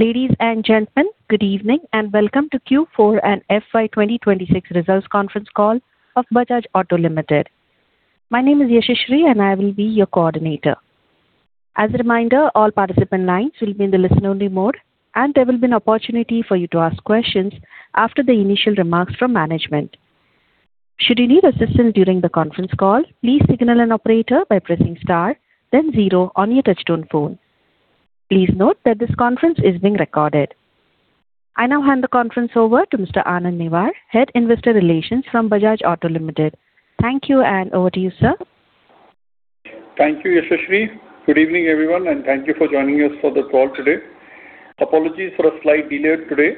Ladies and gentlemen, good evening and welcome to Q4 FY 2026 results Conference Call of Bajaj Auto Limited. My name is Yashashree, and I will be your coordinator. As a reminder, all participant lines will be in the listen-only mode, and there will be an opportunity for you to ask questions after the initial remarks from management. Should you need assistance during the conference call, please signal an operator by pressing star then zero on your touchtone phone. Please note that this conference is being recorded. I now hand the conference over to Mr. Anand Newar, Head, Investor Relations from Bajaj Auto Limited. Thank you, and over to you, sir. Thank you, Yashashree. Good evening, everyone, and thank you for joining us for the call today. Apologies for a slight delay today.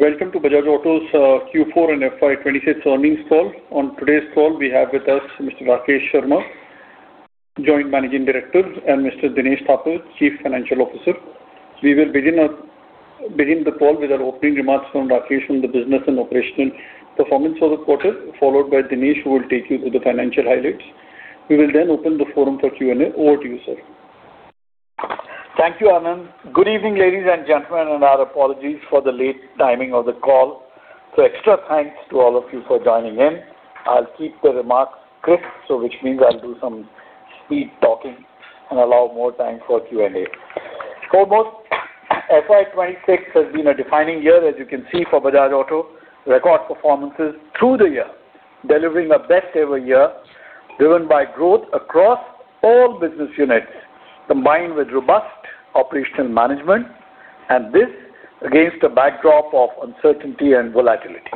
Welcome to Bajaj Auto's Q4 FY 2026 earnings Call. On today's call we have with us Mr. Rakesh Sharma, Joint Managing Director, and Mr. Dinesh Thapar, Chief Financial Officer. We will begin the call with our opening remarks from Rakesh on the business and operational performance for the quarter, followed by Dinesh, who will take you through the financial highlights. We will then open the forum for Q&A. Over to you, sir. Thank you, Anand. Our apologies for the late timing of the call. Extra thanks to all of you for joining in. I'll keep the remarks crisp, which means I'll do some speed talking and allow more time for Q&A. Foremost, FY26 has been a defining year, as you can see, for Bajaj Auto. Record performances through the year, delivering a best-ever year driven by growth across all business units, combined with robust operational management. This against a backdrop of uncertainty and volatility.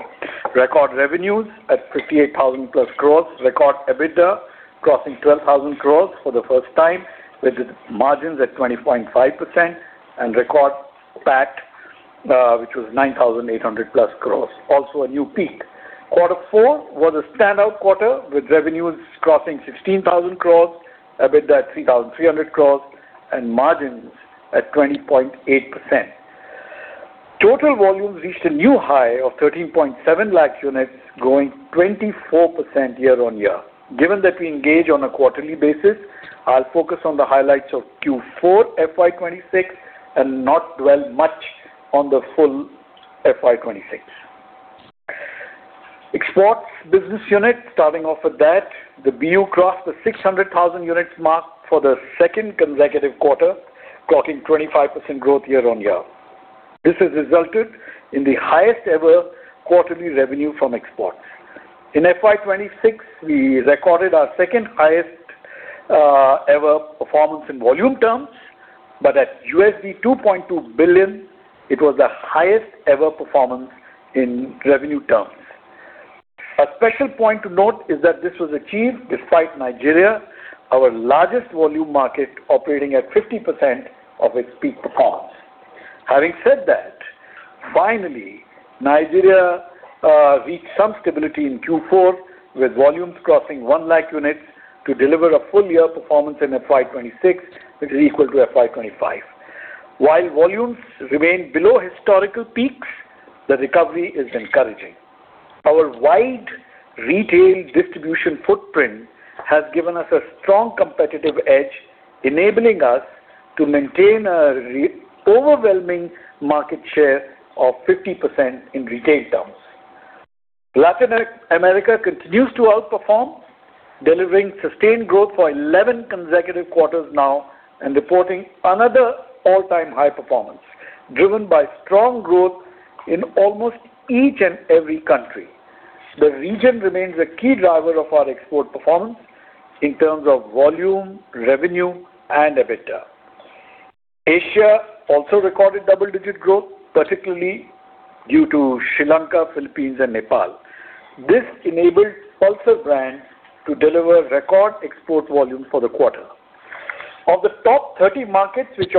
Record revenues at 58,000+ crores. Record EBITDA crossing 12,000 crores for the first time, with margins at 20.5%. Record PAT, which was 9,800+ crores. Also a new peak. Quarter four was a standout quarter, with revenues crossing 16,000 crore, EBITDA at 3,300 crore, and margins at 20.8%. Total volumes reached a new high of 13.7 lakh units, growing 24% year-on-year. Given that we engage on a quarterly basis, I'll focus on the highlights of FY 2026 and not dwell much on the FY 2026. exports business unit, starting off with that. The BU crossed the 600,000 units mark for the second consecutive quarter, clocking 25% growth year-on-year. This has resulted in the highest-ever quarterly revenue from exports. FY 2026, we recorded our second-highest ever performance in volume terms, but at $2.2 billion, it was the highest-ever performance in revenue terms. A special point to note is that this was achieved despite Nigeria, our largest volume market, operating at 50% of its peak performance. Finally, Nigeria reached some stability in Q4, with volumes crossing 1 lakh units to deliver a full year performance FY 2026, which is equal to FY 2025. Volumes remain below historical peaks, the recovery is encouraging. Our wide retail distribution footprint has given us a strong competitive edge, enabling us to maintain an overwhelming market share of 50% in retail terms. Latin America continues to outperform, delivering sustained growth for 11 consecutive quarters now and reporting another all-time high performance, driven by strong growth in almost each and every country. The region remains a key driver of our export performance in terms of volume, revenue, and EBITDA. Asia also recorded double-digit growth, particularly due to Sri Lanka, Philippines, and Nepal. This enabled Pulsar brand to deliver record export volume for the quarter. Of the top 30 markets, which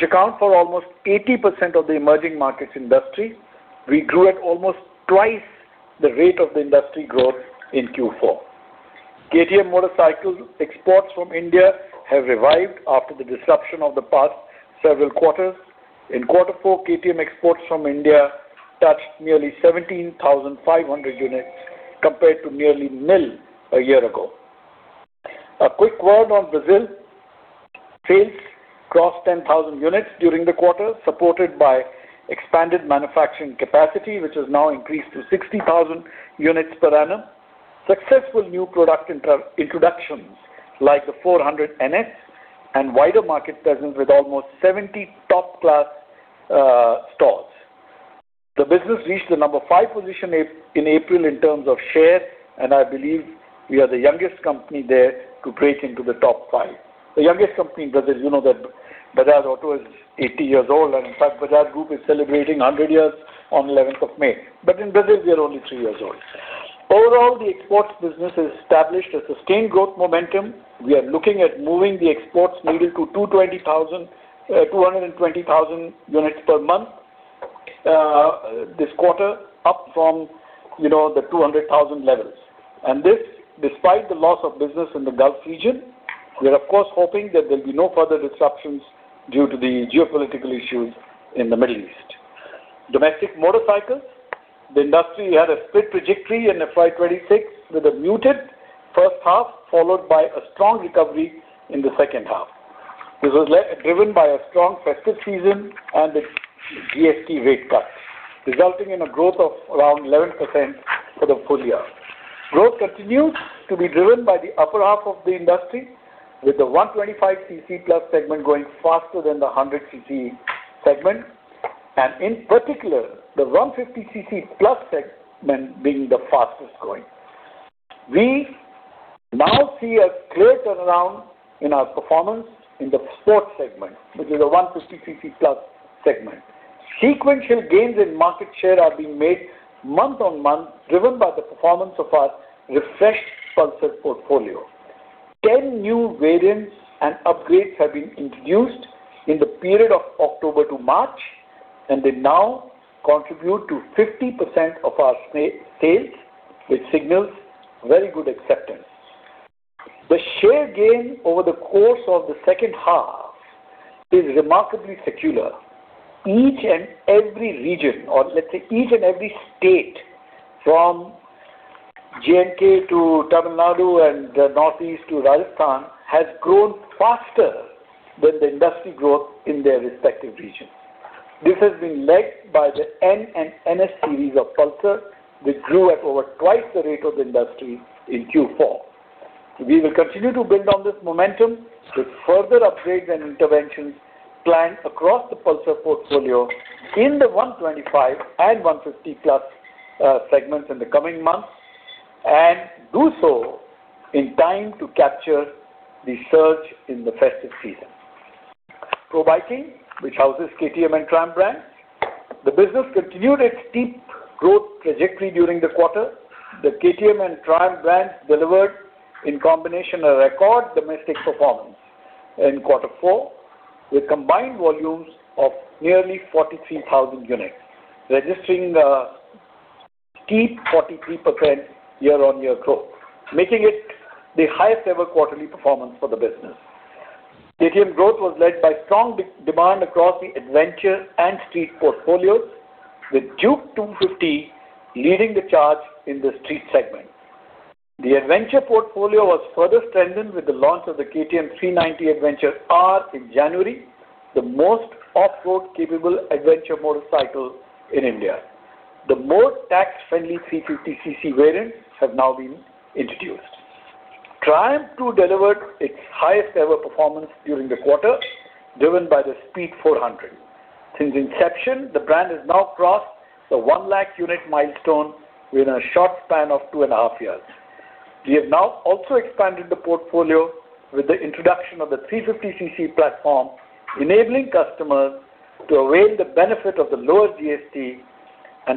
account for almost 80% of the emerging markets industry, we grew at almost twice the rate of the industry growth in Q4. KTM motorcycle exports from India have revived after the disruption of the past several quarters. In quarter four, KTM exports from India touched nearly 17,500 units, compared to nearly nil a year ago. A quick word on Brazil. Sales crossed 10,000 units during the quarter, supported by expanded manufacturing capacity, which has now increased to 60,000 units per annum. Successful new product introductions, like the 400 NS, and wider market presence with almost 70 top-class stores. The business reached the number five position in April in terms of share. I believe we are the youngest company there to break into the top five. The youngest company in Brazil. You know that Bajaj Auto is 80 years old. In fact, Bajaj Group is celebrating 100 years on May 11th. In Brazil, we are only three years old. Overall, the exports business has established a sustained growth momentum. We are looking at moving the exports needed to 220,000 units per month this quarter, up from, you know, the 200,000 levels. This, despite the loss of business in the Gulf region. We are, of course, hoping that there will be no further disruptions due to the geopolitical issues in the Middle East. Domestic motorcycles. The industry had a split trajectory in FY 2026, with a muted first half, followed by a strong recovery in the second half. This was driven by a strong festive season and a GST rate cut, resulting in a growth of around 11% for the full year. Growth continued to be driven by the upper half of the industry, with the 125 cc plus segment growing faster than the 100-cc segment. In particular, the 150 cc plus segment being the fastest growing. We now see a clear turnaround in our performance in the sports segment, which is the 150 cc plus segment. Sequential gains in market share are being made month-on-month, driven by the performance of our refreshed Pulsar portfolio. 10 new variants and upgrades have been introduced in the period of October to March, and they now contribute to 50% of our sales, which signals very good acceptance. The share gain over the course of the second half is remarkably secular. Each and every region, or let's say each and every state, from J&K to Tamil Nadu and Northeast to Rajasthan, has grown faster than the industry growth in their respective region. This has been led by the N and NS series of Pulsar, which grew at over twice the rate of the industry in Q4. We will continue to build on this momentum with further upgrades and interventions planned across the Pulsar portfolio in the 125 and 150 plus segments in the coming months and do so in time to capture the surge in the festive season. Probiking, which houses KTM and Triumph brands. The business continued its steep growth trajectory during the quarter. The KTM and Triumph brands delivered, in combination, a record domestic performance in quarter four, with combined volumes of nearly 43,000 units, registering a steep 43% year-on-year growth, making it the highest ever quarterly performance for the business. KTM growth was led by strong demand across the Adventure and Street portfolios, with Duke 250 leading the charge in the Street segment. The Adventure portfolio was further strengthened with the launch of the KTM 390 Adventure R in January, the most off-road capable Adventure motorcycle in India. The most tax-friendly 350cc variants have now been introduced. Triumph too delivered its highest ever performance during the quarter, driven by the Speed 400. Since inception, the brand has now crossed the 1 lakh unit milestone within a short span of 2 and a half years. We have now also expanded the portfolio with the introduction of the 350cc platform, enabling customers to avail the benefit of the lower GST.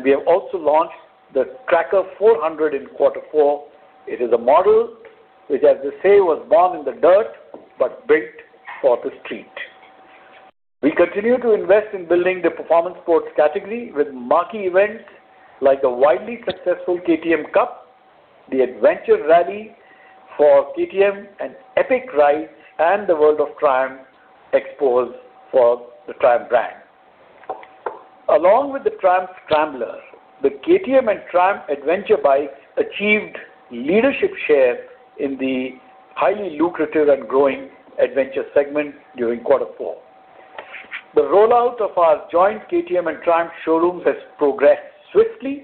We have also launched the Tracker 400 in quarter four. It is a model which, as they say, was born in the dirt but built for the street. We continue to invest in building the performance sports category with marquee events like the widely successful KTM Cup, the KTM Adventure Rally and Epic Rides, and the World of Triumph Expos for the Triumph brand. Along with the Triumph Scrambler, the KTM and Triumph Adventure bikes achieved leadership share in the highly lucrative and growing Adventure segment during quarter four. The rollout of our joint KTM and Triumph showrooms has progressed swiftly,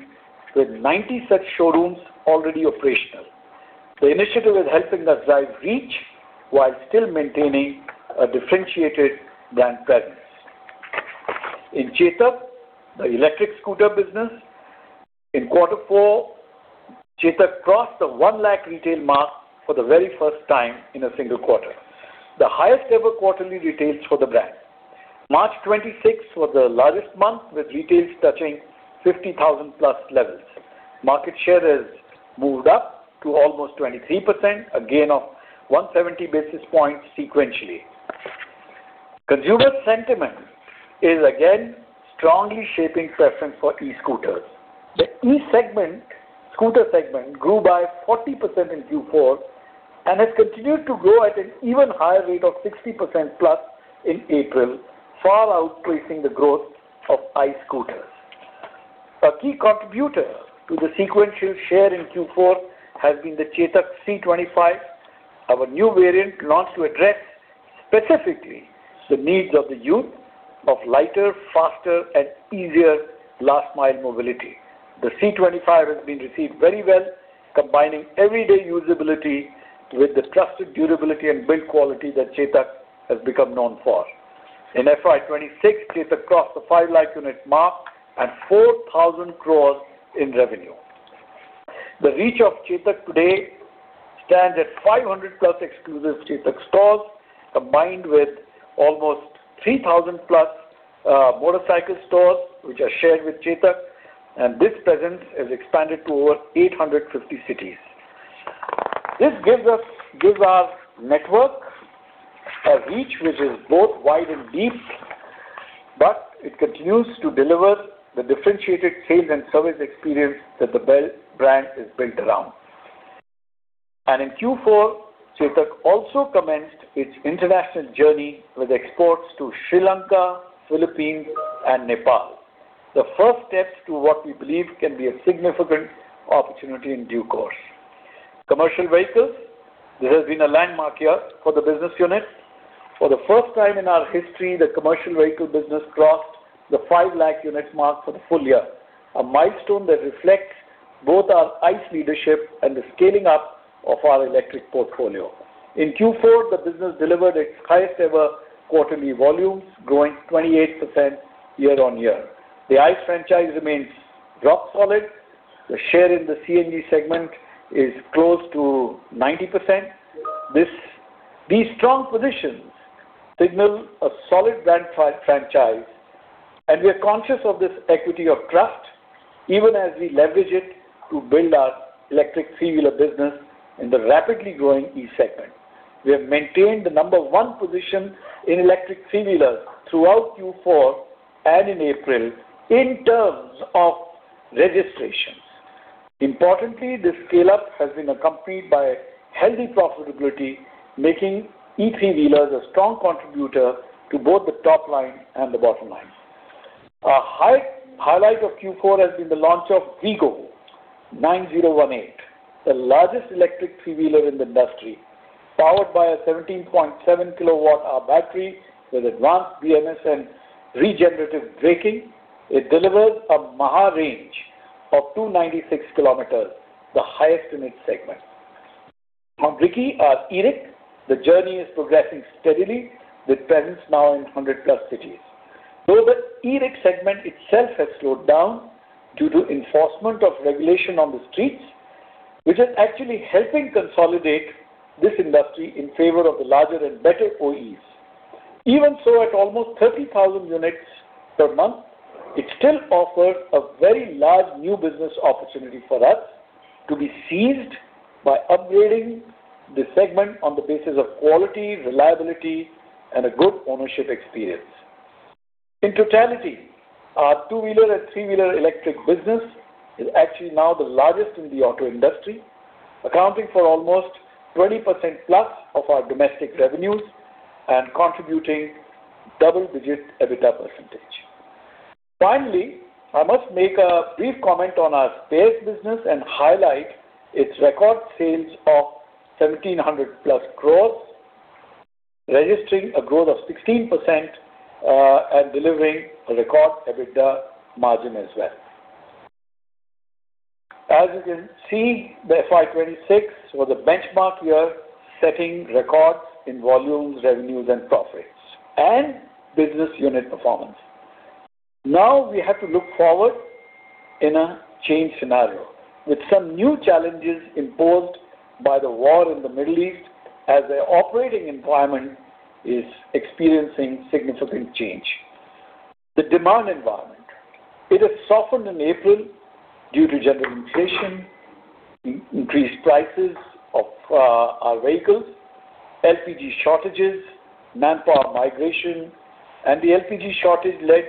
with 90 such showrooms already operational. The initiative is helping us drive reach while still maintaining a differentiated brand presence. In Chetak, the electric scooter business. In Q4, Chetak crossed the 1 lakh retail mark for the very first time in a single quarter. The highest ever quarterly retails for the brand. March 26th was the largest month, with retails touching 50,000+ levels. Market share has moved up to almost 23%, a gain of 170 basis points sequentially. Consumer sentiment is again strongly shaping preference for e-scooters. The E segment, scooter segment grew by 40% in Q4 and has continued to grow at an even higher rate of 60%+ in April, far outpacing the growth of ICE scooters. A key contributor to the sequential share in Q4 has been the Chetak C 25, our new variant launched to address specifically the needs of the youth of lighter, faster and easier last mile mobility. The C 25 has been received very well, combining everyday usability with the trusted durability and build quality that Chetak has become known for. FY 2026, chetak crossed the 5 lakh unit mark and 4,000 crore in revenue. The reach of Chetak today stands at 500 plus exclusive Chetak stores, combined with almost 3,000 plus motorcycle stores which are shared with Chetak, and this presence has expanded to over 850 cities. This gives us, gives our network a reach which is both wide and deep, but it continues to deliver the differentiated sales and service experience that the brand is built around. In Q4, Chetak also commenced its international journey with exports to Sri Lanka, Philippines, and Nepal. The first steps to what we believe can be a significant opportunity in due course. Commercial vehicles, this has been a landmark year for the business unit. For the first time in our history, the commercial vehicle business crossed the 5 lakh units mark for the full year, a milestone that reflects both our ICE leadership and the scaling up of our electric portfolio. In Q4, the business delivered its highest ever quarterly volumes, growing 28% year-on-year. The ICE franchise remains rock solid. The share in the CNG segment is close to 90%. These strong positions signal a solid brand franchise, we are conscious of this equity of trust, even as we leverage it to build our electric three-wheeler business in the rapidly growing E-segment. We have maintained the number 1 position in electric three-wheelers throughout Q4 and in April in terms of registrations. Importantly, this scale-up has been accompanied by healthy profitability, making E three-wheelers a strong contributor to both the top line and the bottom line. A highlight of Q4 has been the launch of WEGO P9018, the largest electric three-wheeler in the industry, powered by a 17.7 kilowatt hour battery with advanced BMS and regenerative braking. It delivers a maha range of 296 km, the highest in its segment. On Riki, our eRick, the journey is progressing steadily with presence now in 100+ cities. Though the eRick segment itself has slowed down due to enforcement of regulation on the streets, which is actually helping consolidate this industry in favor of the larger and better OEs. Even so, at almost 30,000 units per month, it still offers a very large new business opportunity for us to be seized by upgrading the segment on the basis of quality, reliability, and a good ownership experience. In totality, our two-wheeler and three-wheeler electric business is actually now the largest in the auto industry, accounting for almost 20% plus of our domestic revenues and contributing double-digit EBITDA percentage. Finally, I must make a brief comment on our spares business and highlight its record sales of 1,700 plus crores, registering a growth of 16%, and delivering a record EBITDA margin as well. As you can see, the FY 2026 was a benchmark year, setting records in volumes, revenues, and profits and business unit performance. We have to look forward in a change scenario with some new challenges imposed by the war in the Middle East as their operating environment is experiencing significant change. The demand environment, it has softened in April due to general inflation, increased prices of our vehicles, LPG shortages, manpower migration, and the LPG shortage led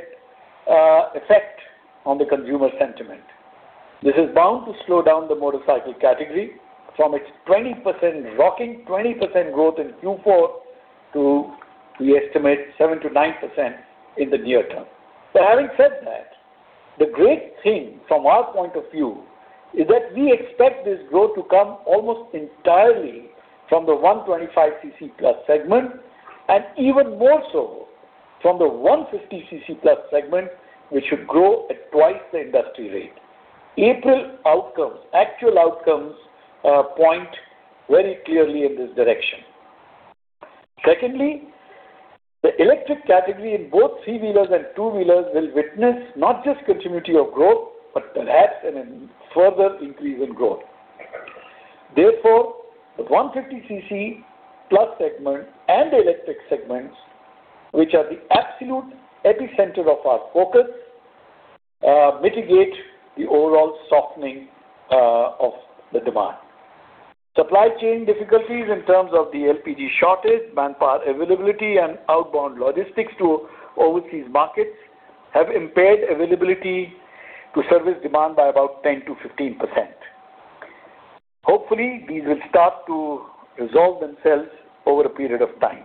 effect on the consumer sentiment. This is bound to slow down the motorcycle category from its 20%, rocking 20% growth in Q4 to we estimate 7%-9% in the near term. Having said that, the great thing from our point of view is that we expect this growth to come almost entirely from the 125 cc plus segment and even more so from the 150 cc plus segment, which should grow at twice the industry rate. April outcomes, actual outcomes, point very clearly in this direction. Secondly, the electric category in both 3-wheelers and 2-wheelers will witness not just continuity of growth, but perhaps a further increase in growth. The 150 cc plus segment and the electric segments, which are the absolute epicenter of our focus, mitigate the overall softening of the demand. Supply chain difficulties in terms of the LPG shortage, manpower availability, and outbound logistics to overseas markets have impaired availability to service demand by about 10%-15%. Hopefully, these will start to resolve themselves over a period of time.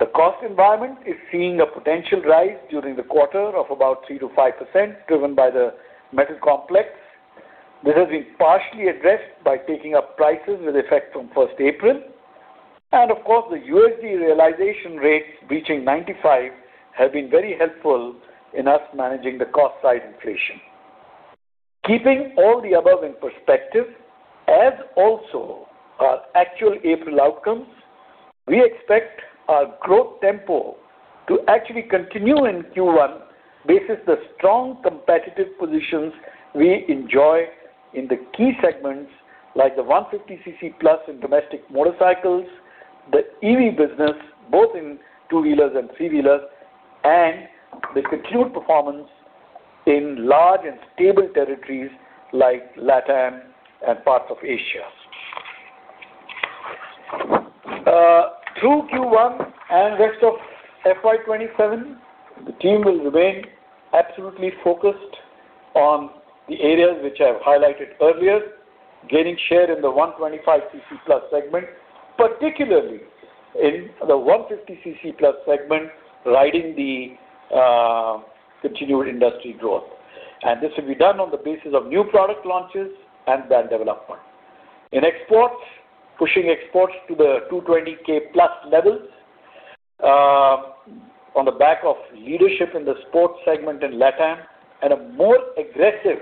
The cost environment is seeing a potential rise during the quarter of about 3% to 5%, driven by the metal complex. This has been partially addressed by taking up prices with effect from 1st April. Of course, the USD realization rates reaching 95 have been very helpful in us managing the cost side inflation. Keeping all the above in perspective, as also our actual April outcomes, we expect our growth tempo to actually continue in Q1 based on the strong competitive positions we enjoy in the key segments like the 150 cc plus in domestic motorcycles, the EV business, both in two-wheelers and three-wheelers, and the continued performance in large and stable territories like LATAM and parts of Asia. Through Q1 and rest FY 2027, the team will remain absolutely focused on the areas which I've highlighted earlier. Gaining share in the 125 cc plus segment, particularly in the 150 cc plus segment, riding the continued industry growth. This will be done on the basis of new product launches and brand development. In exports, pushing exports to the 220k+ levels on the back of leadership in the sports segment in LatAm and a more aggressive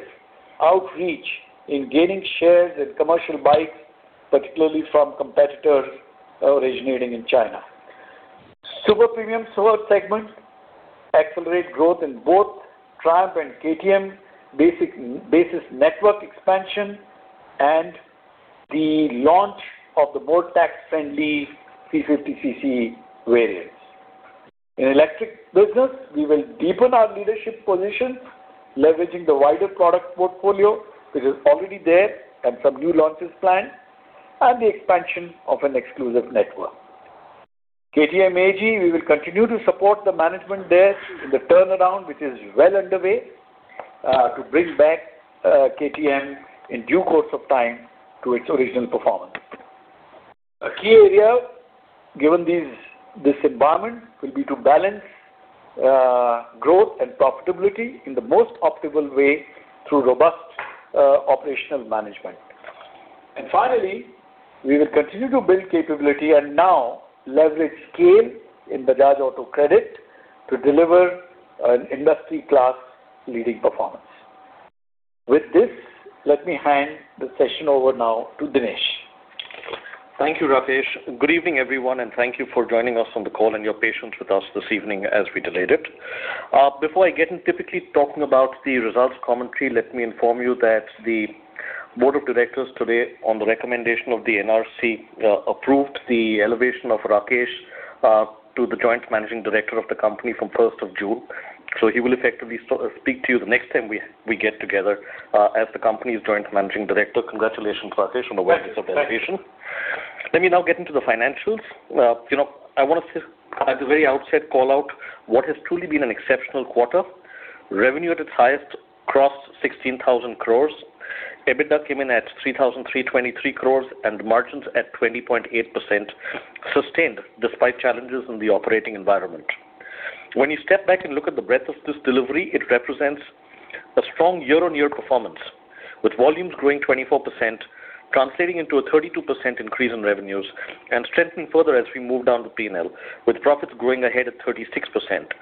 outreach in gaining shares in commercial bikes, particularly from competitors originating in China. Super premium two-wheeler segment, accelerate growth in both Triumph and KTM basis network expansion and the launch of the more tax-friendly 350 cc variants. In electric business, we will deepen our leadership position, leveraging the wider product portfolio, which is already there, and some new launches planned, and the expansion of an exclusive network. KTM AG, we will continue to support the management there in the turnaround, which is well underway to bring back KTM in due course of time to its original performance. A key area, given this environment, will be to balance growth and profitability in the most optimal way through robust operational management. Finally, we will continue to build capability and now leverage scale in Bajaj Auto Credit to deliver an industry-class leading performance. With this, let me hand the session over now to Dinesh. Thank you, Rakesh. Good evening, everyone, thank you for joining us on the call and your patience with us this evening as we delayed it. Before I get in typically talking about the results commentary, let me inform you that the board of directors today, on the recommendation of the NRC, approved the elevation of Rakesh to the Joint Managing Director of the company from first of June. He will effectively sort of speak to you the next time we get together as the company's Joint Managing Director. Congratulations, Rakesh, on the board's elevation. Thanks. Let me now get into the financials. you know, I want to at the very outset call out what has truly been an exceptional quarter. Revenue at its highest crossed 16,000 crore. EBITDA came in at 3,323 crore, and margins at 20.8% sustained despite challenges in the operating environment. When you step back and look at the breadth of this delivery, it represents a strong year-on-year performance, with volumes growing 24%, translating into a 32% increase in revenues, and strengthened further as we move down to P&L, with profits growing ahead at 36%,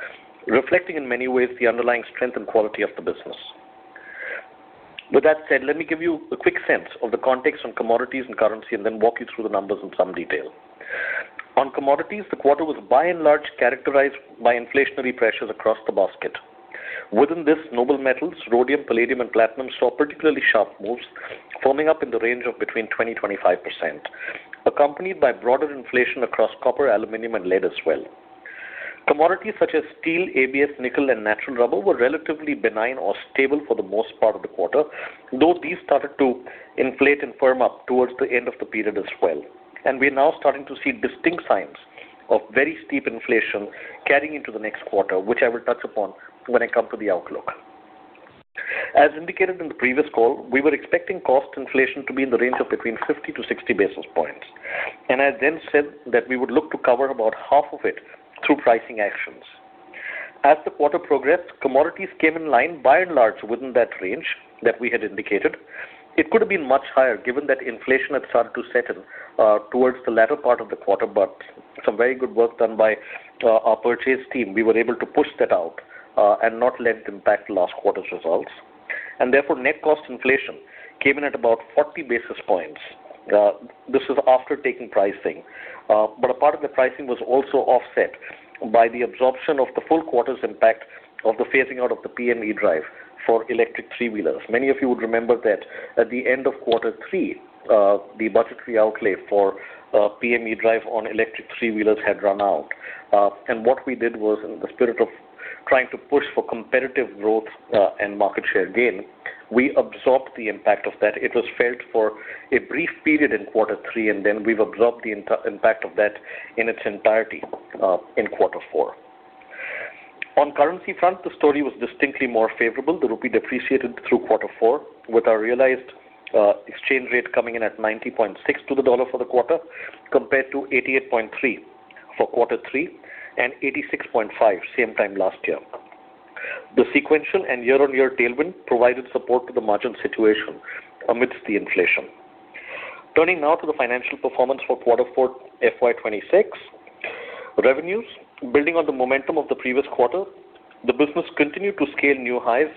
reflecting in many ways the underlying strength and quality of the business. With that said, let me give you a quick sense of the context on commodities and currency and then walk you through the numbers in some detail. On commodities, the quarter was by and large characterized by inflationary pressures across the basket. Within this, noble metals, rhodium, palladium, and platinum saw particularly sharp moves, firming up in the range of between 20% to 25%, accompanied by broader inflation across copper, aluminum, and lead as well. Commodities such as steel, ABS, nickel, and natural rubber were relatively benign or stable for the most part of the quarter, though these started to inflate and firm up towards the end of the period as well. We are now starting to see distinct signs of very steep inflation carrying into the next quarter, which I will touch upon when I come to the outlook. As indicated in the previous call, we were expecting cost inflation to be in the range of between 50 to 60 basis points. I then said that we would look to cover about half of it through pricing actions. As the quarter progressed, commodities came in line by and large within that range that we had indicated. It could have been much higher given that inflation had started to set in towards the latter part of the quarter. Some very good work done by our purchase team. We were able to push that out and not let it impact last quarter's results. Therefore, net cost inflation came in at about 40 basis points. This is after taking pricing. A part of the pricing was also offset by the absorption of the full quarter's impact of the phasing out of the PM E-DRIVE for electric three-wheelers. Many of you would remember that at the end of quarter three, the budgetary outlay for PM E-DRIVE on electric three-wheelers had run out. What we did was, in the spirit of trying to push for competitive growth, and market share gain, we absorbed the impact of that. It was felt for a brief period in quarter three, then we've absorbed the impact of that in its entirety, in quarter four. On currency front, the story was distinctly more favorable. The rupee depreciated through quarter four, with our realized exchange rate coming in at 90.6 to the dollar for the quarter, compared to 88.3 for quarter three and 86.5 same time last year. The sequential and year-on-year tailwind provided support to the margin situation amidst the inflation. Turning now to the financial performance for quarter FY 2026. revenues. Building on the momentum of the previous quarter, the business continued to scale new highs,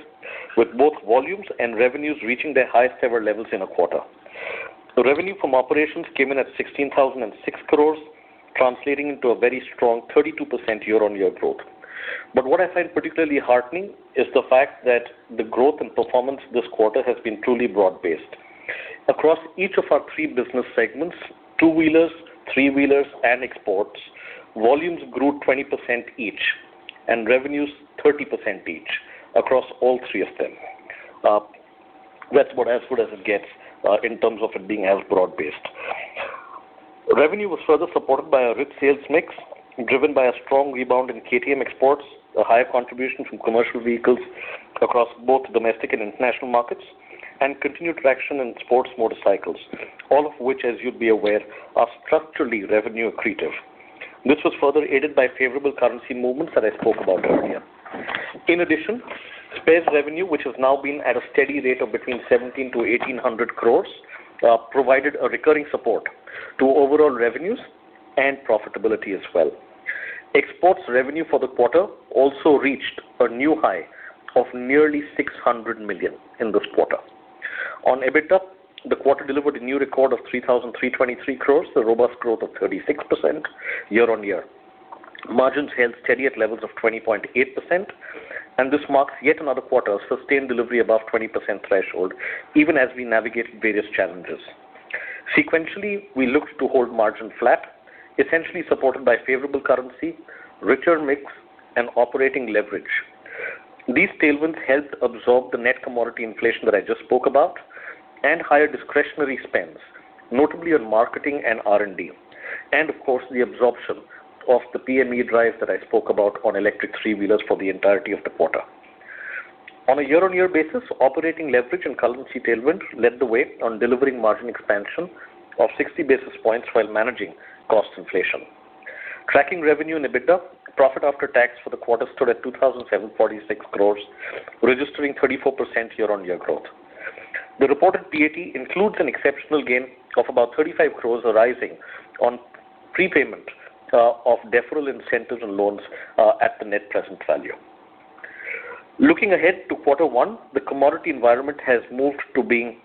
with both volumes and revenues reaching their highest ever levels in a quarter. Revenue from operations came in at 16,006 crores, translating into a very strong 32% year-over-year growth. What I find particularly heartening is the fact that the growth and performance this quarter has been truly broad-based. Across each of our three business segments, two-wheelers, three-wheelers, and exports, volumes grew 20% each and revenues 30% each across all three of them. That's about as good as it gets in terms of it being as broad-based. Revenue was further supported by a rich sales mix, driven by a strong rebound in KTM exports, a higher contribution from commercial vehicles across both domestic and international markets, and continued traction in sports motorcycles, all of which, as you'd be aware, are structurally revenue accretive. This was further aided by favorable currency movements that I spoke about earlier. Spares revenue, which has now been at a steady rate of between 1,700-1,800 crores, provided a recurring support to overall revenues and profitability as well. Exports revenue for the quarter also reached a new high of nearly 600 million in this quarter. On EBITDA, the quarter delivered a new record of 3,323 crores, a robust growth of 36% year-on-year. Margins held steady at levels of 20.8%. This marks yet another quarter of sustained delivery above 20% threshold, even as we navigate various challenges. Sequentially, we looked to hold margin flat, essentially supported by favorable currency, richer mix, and operating leverage. These tailwinds helped absorb the net commodity inflation that I just spoke about and higher discretionary spends, notably on marketing and R&D. Of course, the absorption of the PM E-DRIVE that I spoke about on electric three-wheelers for the entirety of the quarter. On a year-on-year basis, operating leverage and currency tailwind led the way on delivering margin expansion of 60 basis points while managing cost inflation. Tracking revenue and EBITDA, profit after tax for the quarter stood at 2,746 crores, registering 34% year-on-year growth. The reported PAT includes an exceptional gain of about 35 crores arising on prepayment of deferral incentives and loans at the net present value. Looking ahead to Q1, the commodity environment has moved to being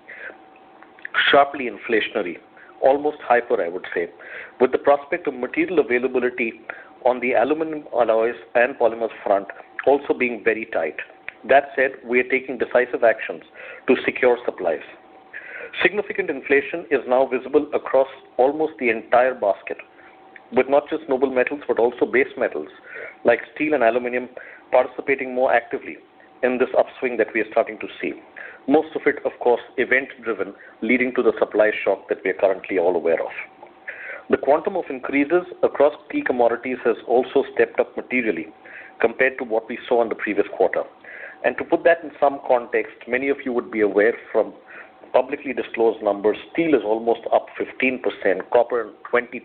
sharply inflationary, almost hyper, I would say, with the prospect of material availability on the aluminum alloys and polymers front also being very tight. That said, we are taking decisive actions to secure supplies. Significant inflation is now visible across almost the entire basket, with not just noble metals, but also base metals like steel and aluminum participating more actively in this upswing that we are starting to see. Most of it, of course, event-driven, leading to the supply shock that we are currently all aware of. The quantum of increases across key commodities has also stepped up materially compared to what we saw in the previous quarter. To put that in some context, many of you would be aware from publicly disclosed numbers, steel is almost up 15%, copper 20%.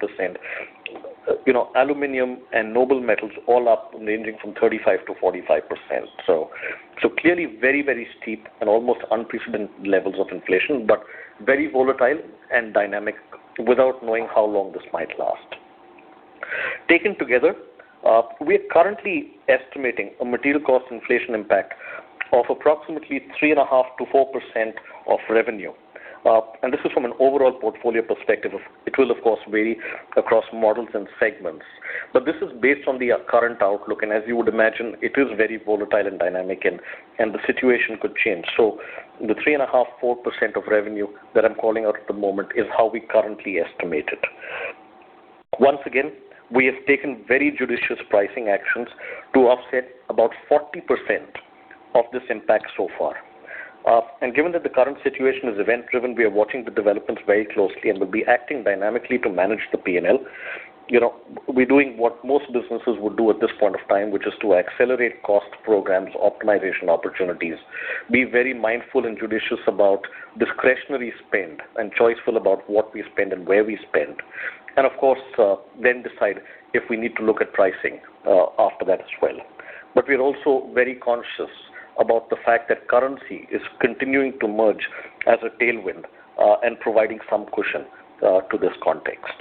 Aluminum and noble metals all up, ranging from 35% to 45%. Clearly very steep and almost unprecedented levels of inflation, but very volatile and dynamic without knowing how long this might last. Taken together, we are currently estimating a material cost inflation impact of approximately 3.5%-4% of revenue. This is from an overall portfolio perspective. It will, of course, vary across models and segments. This is based on the current outlook, and as you would imagine, it is very volatile and dynamic and the situation could change. The 3.5%, 4% of revenue that I'm calling out at the moment is how we currently estimate it. Once again, we have taken very judicious pricing actions to offset about 40% of this impact so far. Given that the current situation is event-driven, we are watching the developments very closely and will be acting dynamically to manage the P&L. You know, we're doing what most businesses would do at this point of time, which is to accelerate cost programs, optimization opportunities, be very mindful and judicious about discretionary spend, and choiceful about what we spend and where we spend. Of course, then decide if we need to look at pricing after that as well. We're also very conscious about the fact that currency is continuing to merge as a tailwind and providing some cushion to this context.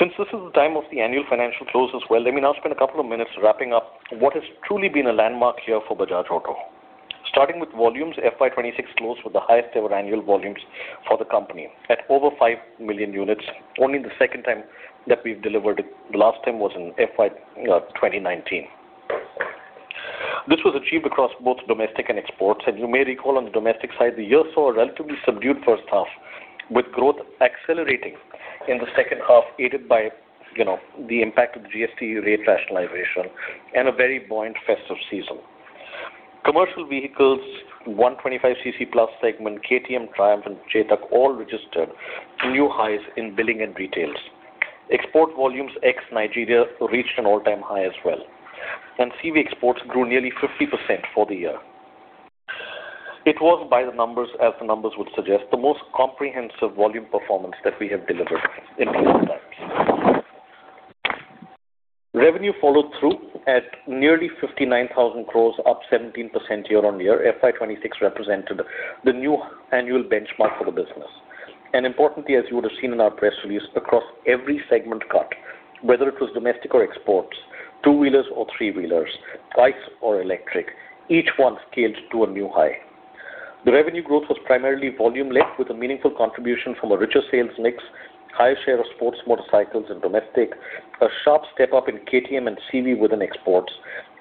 Since this is the time of the annual financial close as well, let me now spend a couple of minutes wrapping up what has truly been a landmark year for Bajaj Auto. Starting with FY 2026 closed with the highest ever annual volumes for the company at over 5 million units, only the second time that we've delivered. The last time was in FY 2019. This was achieved across both domestic and exports. You may recall on the domestic side, the year saw a relatively subdued first half, with growth accelerating in the second half, aided by, you know, the impact of the GST rate rationalization and a very buoyant festive season. Commercial vehicles, 125 cc plus segment, KTM, Triumph, and Chetak all registered new highs in billing and retails. Export volumes ex Nigeria reached an all-time high as well. CV exports grew nearly 50% for the year. It was by the numbers, as the numbers would suggest, the most comprehensive volume performance that we have delivered in recent times. Revenue followed through at nearly 59,000 crores, up 17% FY 2026 represented the new annual benchmark for the business. Importantly, as you would have seen in our press release, across every segment cut, whether it was domestic or exports, two-wheelers or three-wheelers, ICE or electric, each one scaled to a new high. The revenue growth was primarily volume-led with a meaningful contribution from a richer sales mix, higher share of sports motorcycles in domestic, a sharp step-up in KTM and CV within exports,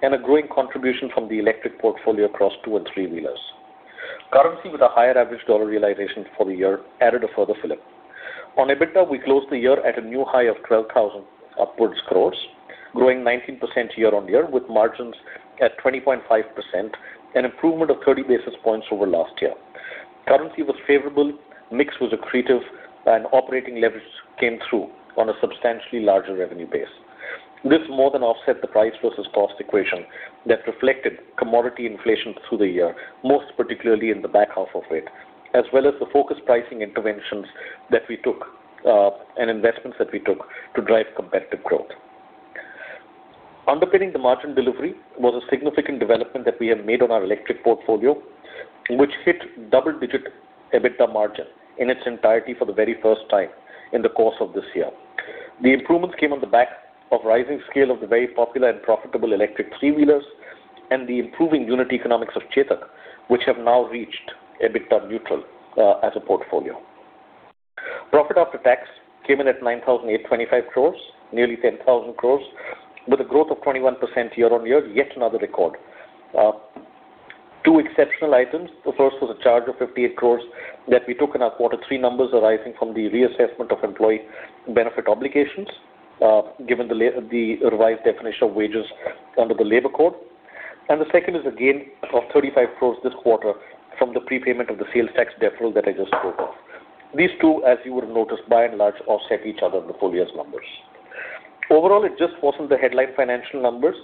and a growing contribution from the electric portfolio across two and three-wheelers. Currency with a higher average dollar realization for the year added a further fill-up. On EBITDA, we closed the year at a new high of 12,000 upwards crores, growing 19% year-over-year, with margins at 20.5%, an improvement of 30 basis points over last year. Currency was favorable, mix was accretive, and operating leverage came through on a substantially larger revenue base. This more than offset the price versus cost equation that reflected commodity inflation through the year, most particularly in the back half of it, as well as the focused pricing interventions that we took and investments that we took to drive competitive growth. Underpinning the margin delivery was a significant development that we have made on our electric portfolio, which hit double-digit EBITDA margin in its entirety for the very first time in the course of this year. The improvements came on the back of rising scale of the very popular and profitable electric three-wheelers and the improving unit economics of Chetak, which have now reached EBITDA neutral as a portfolio. Profit after tax came in at 9,825 crores, nearly 10,000 crores, with a growth of 21% year on year, yet another record. Two exceptional items. The first was a charge of 58 crores that we took in our quarter three numbers arising from the reassessment of employee benefit obligations, given the revised definition of wages under the labor code. The second is a gain of 35 crores this quarter from the prepayment of the sales tax deferral that I just spoke of. These two, as you would have noticed, by and large, offset each other in the full year's numbers. Overall, it just wasn't the headline financial numbers.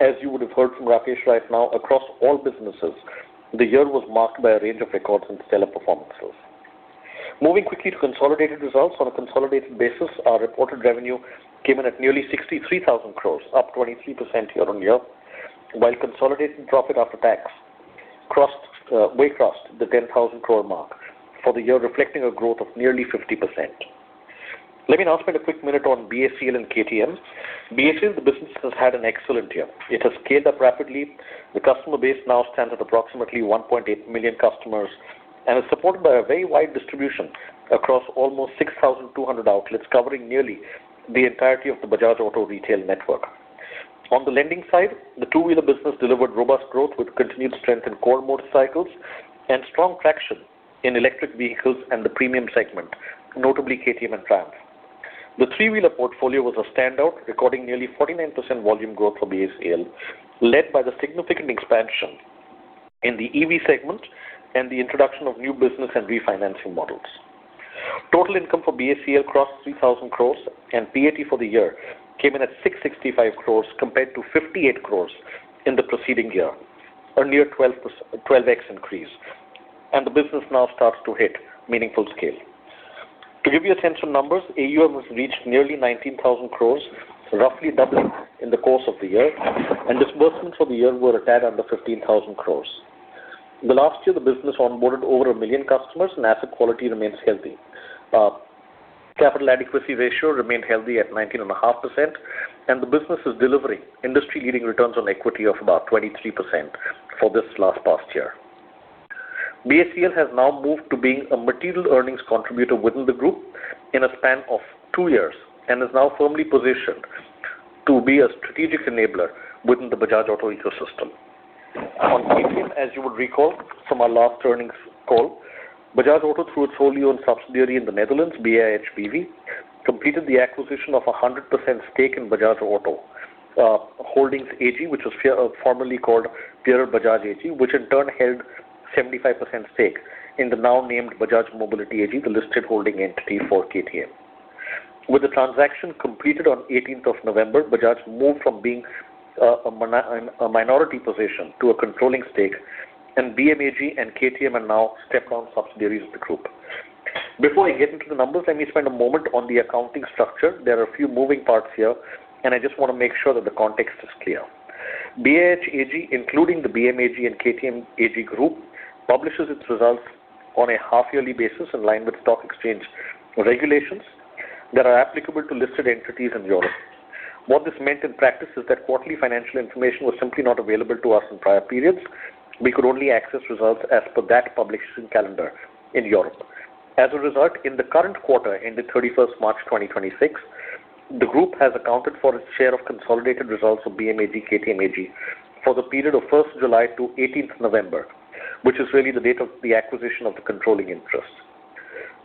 As you would have heard from Rakesh right now, across all businesses, the year was marked by a range of records and stellar performances. Moving quickly to consolidated results. On a consolidated basis, our reported revenue came in at nearly 63,000 crore, up 23% year-on-year, while consolidated profit after tax crossed, way crossed the 10,000 crore mark for the year, reflecting a growth of nearly 50%. Let me now spend a quick minute on BCL and KTM. BCL, the business has had an excellent year. It has scaled up rapidly. The customer base now stands at approximately 1.8 million customers and is supported by a very wide distribution across almost 6,200 outlets, covering nearly the entirety of the Bajaj Auto retail network. On the lending side, the two-wheeler business delivered robust growth with continued strength in core motorcycles and strong traction in electric vehicles and the premium segment, notably KTM and Triumph. The three-wheeler portfolio was a standout, recording nearly 49% volume growth for BCL, led by the significant expansion in the EV segment and the introduction of new business and refinancing models. Total income for BCL crossed 3,000 crores, and PAT for the year came in at 665 crores compared to 58 crores in the preceding year, a near 12x increase. The business now starts to hit meaningful scale. To give you a sense of numbers, AUM has reached nearly 19,000 crores, roughly doubling in the course of the year, and disbursements for the year were a tad under 15,000 crores. In the last year, the business onboarded over 1 million customers, and asset quality remains healthy. Capital adequacy ratio remained healthy at 19.5%, and the business is delivering industry-leading returns on equity of about 23% for this last past year. BCL has now moved to being a material earnings contributor within the group in a span of two years and is now firmly positioned to be a strategic enabler within the Bajaj Auto ecosystem. On KTM, as you would recall from our last earnings call, Bajaj Auto, through its wholly owned subsidiary in the Netherlands, BIHBV, completed the acquisition of a 100% stake in Bajaj Auto Holdings AG, which was formerly called Pierer Bajaj AG, which in turn held 75% stake in the now named Bajaj Mobility AG, the listed holding entity for KTM. With the transaction completed on 18th of November, Bajaj moved from being a minority position to a controlling stake, and BMAG and KTM are now step-down subsidiaries of the group. Before I get into the numbers, let me spend a moment on the accounting structure. There are a few moving parts here, and I just want to make sure that the context is clear. BIAH AG, including the BMAG and KTM AG Group, publishes its results on a half-yearly basis in line with stock exchange regulations that are applicable to listed entities in Europe. What this meant in practice is that quarterly financial information was simply not available to us in prior periods. We could only access results as per that publishing calendar in Europe. As a result, in the current quarter, ended March 31st, 2026, the group has accounted for its share of consolidated results of BMAG, KTM AG for the period of 1st July to November 18th, which is really the date of the acquisition of the controlling interest.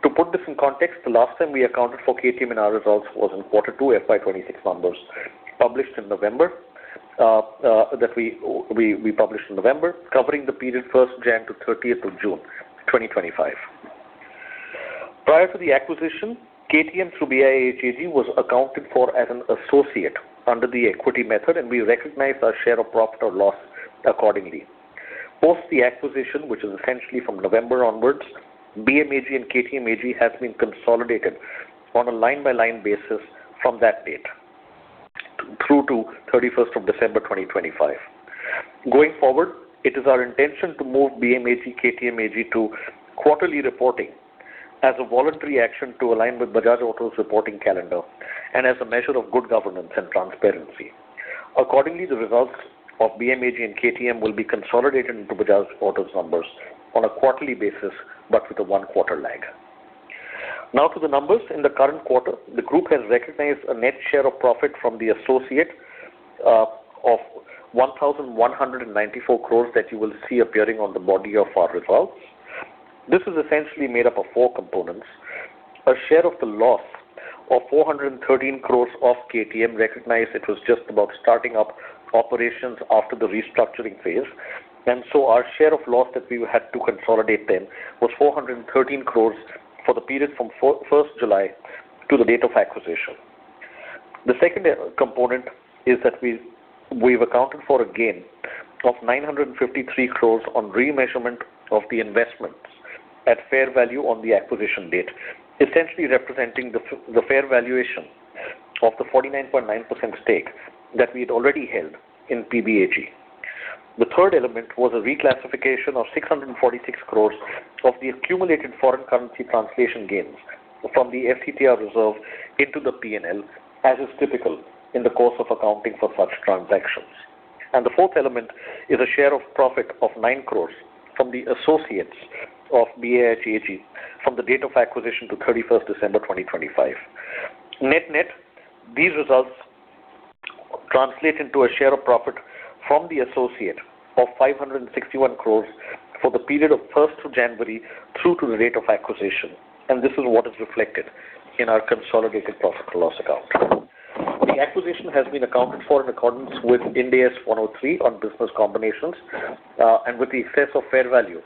To put this in context, the last time we accounted for KTM in our results was in quarter two FY 2026 numbers, published in November, that we published in November, covering the period January 1st to June 30th,2025. Prior to the acquisition, KTM through BIAG was accounted for as an associate under the equity method, and we recognized our share of profit or loss accordingly. Post the acquisition, which is essentially from November onwards, BMAG and KTM AG has been consolidated on a line-by-line basis from that date through to December 31st, 2025. Going forward, it is our intention to move BMAG, KTM AG to quarterly reporting as a voluntary action to align with Bajaj Auto's reporting calendar and as a measure of good governance and transparency. The results of BMAG and KTM will be consolidated into Bajaj Auto's numbers on a quarterly basis, but with a one-quarter lag. To the numbers. In the current quarter, the group has recognized a net share of profit from the associate of 1,194 crores that you will see appearing on the body of our results. This is essentially made up of four components. A share of the loss of 413 crores of KTM recognized. It was just about starting up operations after the restructuring phase. Our share of loss that we had to consolidate then was 413 crores for the period from July 1 to the date of acquisition. The second component is that we've accounted for a gain of 953 crores on remeasurement of the investments at fair value on the acquisition date, essentially representing the fair valuation of the 49.9% stake that we had already held in PBAG. The third element was a reclassification of 646 crores of the accumulated foreign currency translation gains from the FCTR reserve into the P&L, as is typical in the course of accounting for such transactions. The fourth element is a share of profit of 9 crores from the associates of BAIAG from the date of acquisition to December 31st, 2025. Net-net, these results translate into a share of profit from the associate of 561 crores for the period of January 1st through to the date of acquisition. This is what is reflected in our consolidated profit and loss account. The acquisition has been accounted for in accordance with Ind AS 103 on business combinations, with the excess of fair value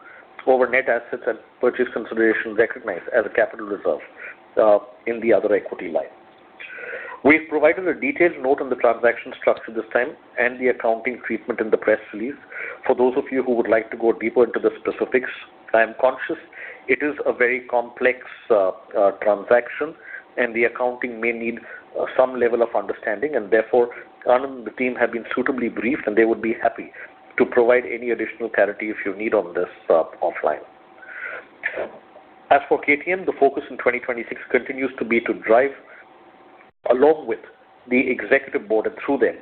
over net assets and purchase consideration recognized as a capital reserve in the other equity line. We've provided a detailed note on the transaction structure this time and the accounting treatment in the press release for those of you who would like to go deeper into the specifics. I am conscious it is a very complex transaction, and the accounting may need some level of understanding and therefore, Anand and the team have been suitably briefed, and they would be happy to provide any additional clarity if you need on this offline. As for KTM, the focus in 2026 continues to be to drive along with the executive board and through them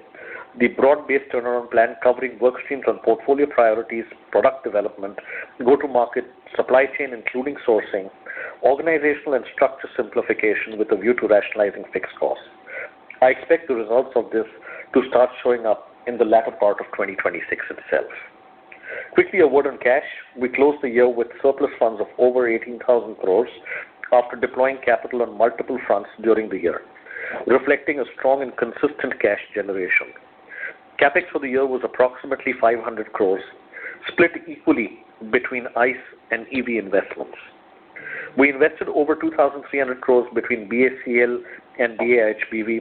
the broad-based turnaround plan covering work streams on portfolio priorities, product development, go-to-market, supply chain, including sourcing, organizational and structure simplification with a view to rationalizing fixed costs. I expect the results of this to start showing up in the latter part of 2026 itself. Quickly, a word on cash. We closed the year with surplus funds of over 18,000 crores after deploying capital on multiple fronts during the year, reflecting a strong and consistent cash generation. CapEx for the year was approximately 500 crores, split equally between ICE and EV investments. We invested over 2,300 crores between BACL and BAIHBV,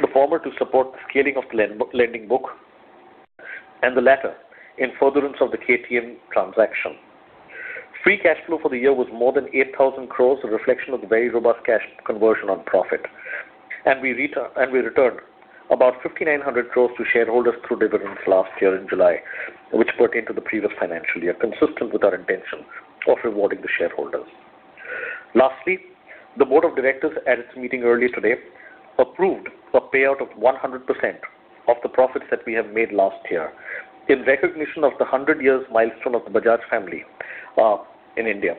the former to support the scaling of the lending book and the latter in furtherance of the KTM transaction. Free cash flow for the year was more than 8,000 crores, a reflection of the very robust cash conversion on profit. We returned about 5,900 crores to shareholders through dividends last year in July, which pertain to the previous financial year, consistent with our intention of rewarding the shareholders. Lastly, the board of directors at its meeting earlier today approved a payout of 100% of the profits that we have made last year in recognition of the 100 years milestone of the Bajaj family in India,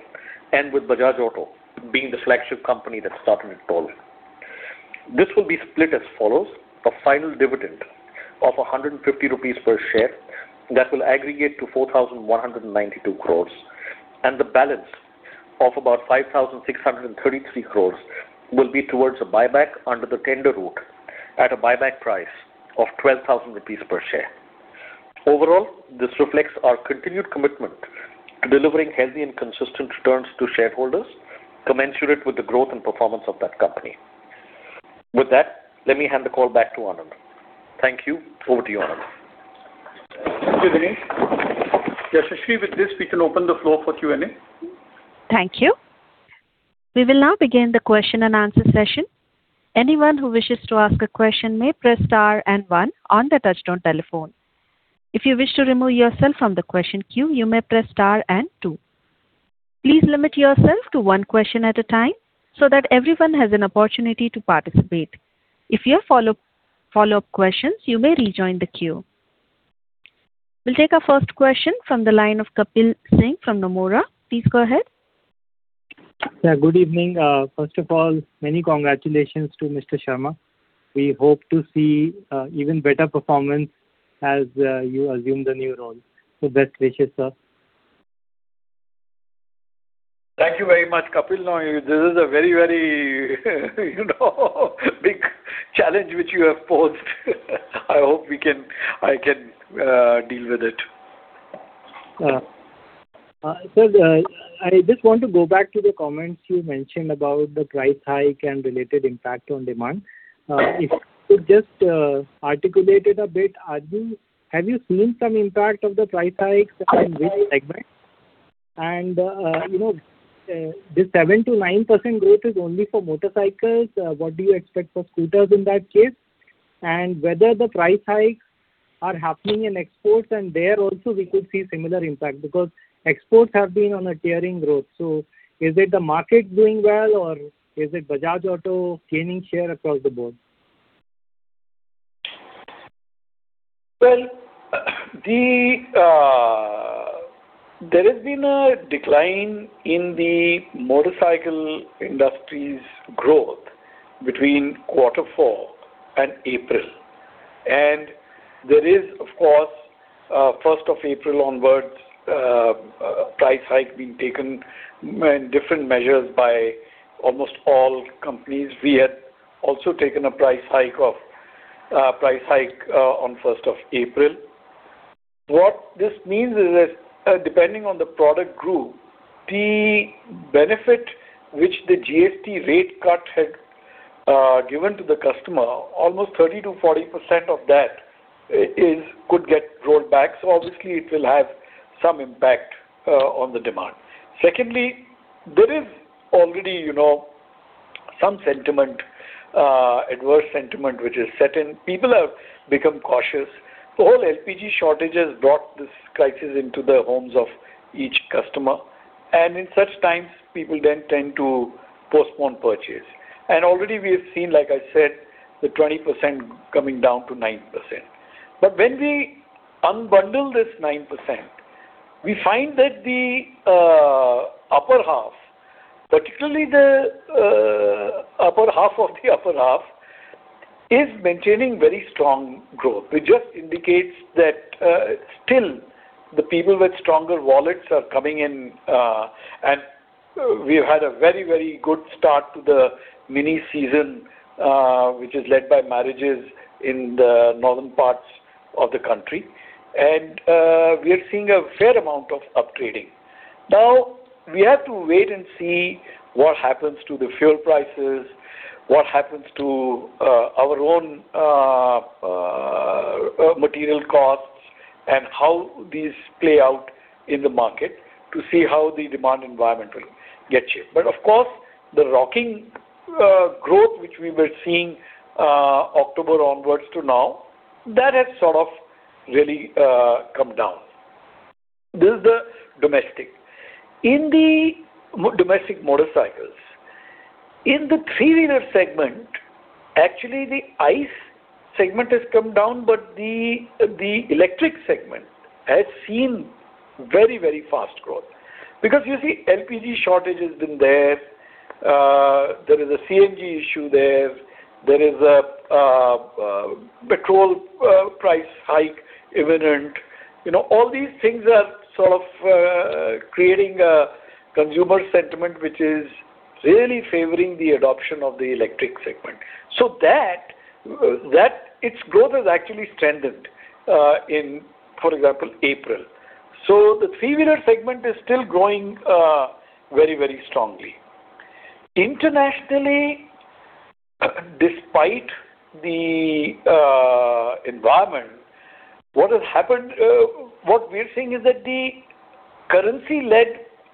and with Bajaj Auto being the flagship company that started it all. This will be split as follows. A final dividend of 150 rupees per share that will aggregate to 4,192 crores, and the balance of about 5,633 crores will be towards a buyback under the tender route at a buyback price of 12,000 rupees per share. Overall, this reflects our continued commitment to delivering healthy and consistent returns to shareholders commensurate with the growth and performance of that company. With that, let me hand the call back to Anand. Thank you. Over to you, Anand. Thank you, Dinesh. Yashaswi, with this, we can open the floor for Q&A. Thank you. We will now begin the question-and-answer session. Anyone who wishes to ask a question may press star and one on the touchtone telephone. If you wish to remove yourself from the question queue, you may press star and two. Please limit yourself to one question at a time so that everyone has an opportunity to participate. If you have follow-up questions, you may rejoin the queue. We'll take our first question from the line of Kapil Singh from Nomura. Please go ahead. Yeah, good evening. First of all, many congratulations to Mr. Sharma. We hope to see even better performance as you assume the new role. Best wishes, sir. Thank you very much, Kapil. This is a very, you know, big challenge which you have posed. I hope I can deal with it. Yeah. Sir, I just want to go back to the comments you mentioned about the price hike and related impact on demand. If you could just articulate it a bit. Have you seen some impact of the price hikes and in which segment? You know, this 7%-9% growth is only for motorcycles. What do you expect for scooters in that case? Whether the price hikes are happening in exports, and there also we could see similar impact because exports have been on a tearing growth. Is it the market doing well, or is it Bajaj Auto gaining share across the board? Well, the There has been a decline in the motorcycle industry's growth between Q4 and April. There is, of course, 1st of April onwards, a price hike being taken and different measures by almost all companies. We had also taken a price hike on 1st of April. What this means is that, depending on the product group, the benefit which the GST rate cut had given to the customer, almost 30%-40% of that could get rolled back. Obviously, it will have some impact on the demand. Secondly, there is already, you know, some sentiment, adverse sentiment which has set in. People have become cautious. The whole LPG shortage has brought this crisis into the homes of each customer, and in such times, people then tend to postpone purchase. Already we have seen, like I said, the 20% coming down to 9%. When we unbundle this 9%, we find that the upper half, particularly the upper half of the upper half, is maintaining very strong growth, which just indicates that still the people with stronger wallets are coming in. We've had a very, very good start to the mini season, which is led by marriages in the northern parts of the country. We are seeing a fair amount of up-trading. Now, we have to wait and see what happens to the fuel prices, what happens to our own material costs, and how these play out in the market to see how the demand environment will get shaped. Of course, the rocking growth which we were seeing October onwards to now, that has sort of really come down. This is the domestic. In the domestic motorcycles, in the three-wheeler segment, actually the ICE segment has come down, the electric segment has seen very, very fast growth. You see, LPG shortage has been there. There is a CNG issue there. There is a petrol price hike imminent. You know, all these things are sort of creating a consumer sentiment which is really favoring the adoption of the electric segment. That, its growth has actually strengthened in, for example, April. The three-wheeler segment is still growing very, very strongly. Internationally, despite the environment, what has happened, what we're seeing is that the currency-led,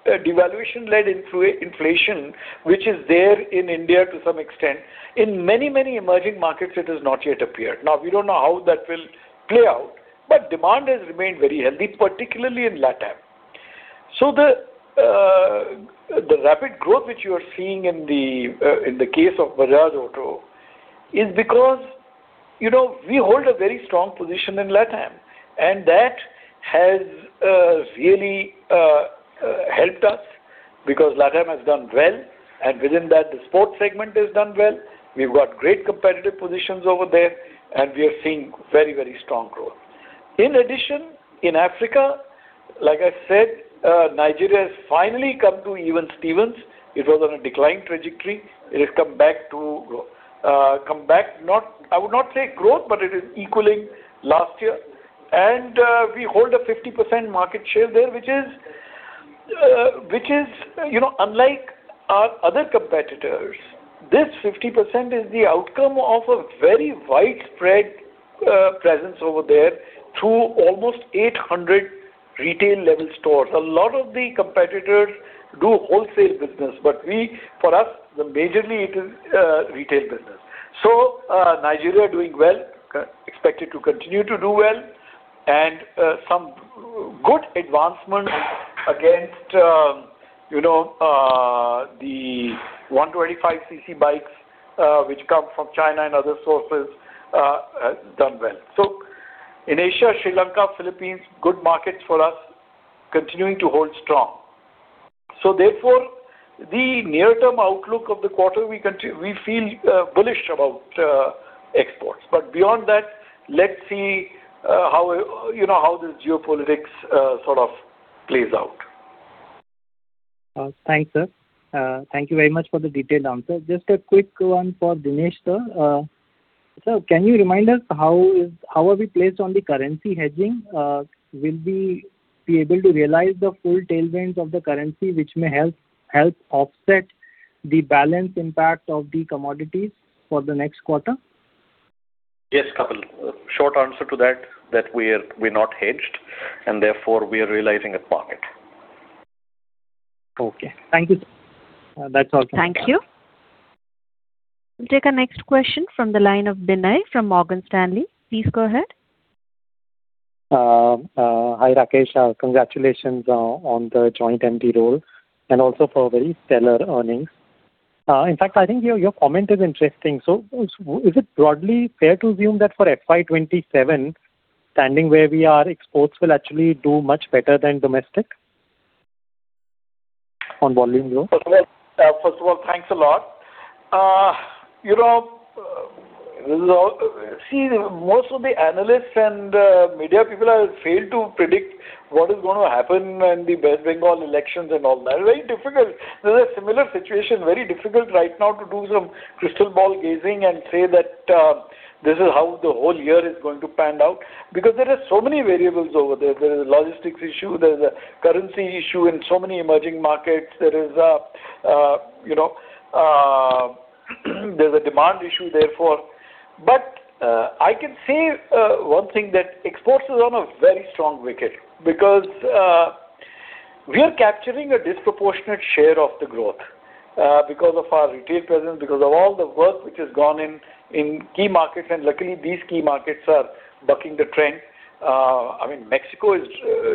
devaluation-led inflation, which is there in India to some extent, in many, many emerging markets it has not yet appeared. Now, we don't know how that will play out, but demand has remained very healthy, particularly in LatAm. The rapid growth which you are seeing in the case of Bajaj Auto is because, you know, we hold a very strong position in LatAm, and that has really helped us because LatAm has done well. Within that, the sports segment has done well. We've got great competitive positions over there, and we are seeing very, very strong growth. In addition, in Africa, like I said, Nigeria has finally come to even Stevens. It was on a decline trajectory. It has come back not I would not say growth, but it is equaling last year. We hold a 50% market share there, which is, you know, unlike our other competitors, this 50% is the outcome of a very widespread presence over there through almost 800 retail-level stores. A lot of the competitors do wholesale business, we, for us, the majorly it is retail business. Nigeria doing well. Expected to continue to do well. Some good advancement against, you know, the 125 cc bikes, which come from China and other sources, has done well. In Asia, Sri Lanka, Philippines, good markets for us continuing to hold strong. Therefore, the near-term outlook of the quarter we feel bullish about exports. Beyond that, let's see, how, you know, how this geopolitics, sort of plays out. Thanks, sir. Thank you very much for the detailed answer. Just a quick one for Dinesh, sir. Sir, can you remind us how are we placed on the currency hedging? Will we be able to realize the full tailwinds of the currency, which may help offset the balance impact of the commodities for the next quarter? Yes, Kapil. Short answer to that we're not hedged, therefore we are realizing at market. Okay. Thank you, sir. That's all. Thank you. We'll take our next question from the line of Binay from Morgan Stanley. Please go ahead. Hi, Rakesh. Congratulations on the Joint MD role and also for very stellar earnings. In fact, I think your comment is interesting. Is it broadly fair to assume that for FY 2027, standing where we are, exports will actually do much better than domestic on volume growth? Well, first of all, thanks a lot. You know, See, most of the analysts and media people have failed to predict what is going to happen in the West Bengal elections and all that. Very difficult. This is a similar situation, very difficult right now to do some crystal ball gazing and say that this is how the whole year is going to pan out because there are so many variables over there. There is a logistics issue, there's a currency issue in so many emerging markets. There is a, you know, there's a demand issue, therefore. I can say one thing that exports is on a very strong wicket because we are capturing a disproportionate share of the growth because of our retail presence, because of all the work which has gone in key markets. Luckily, these key markets are bucking the trend. I mean, Mexico is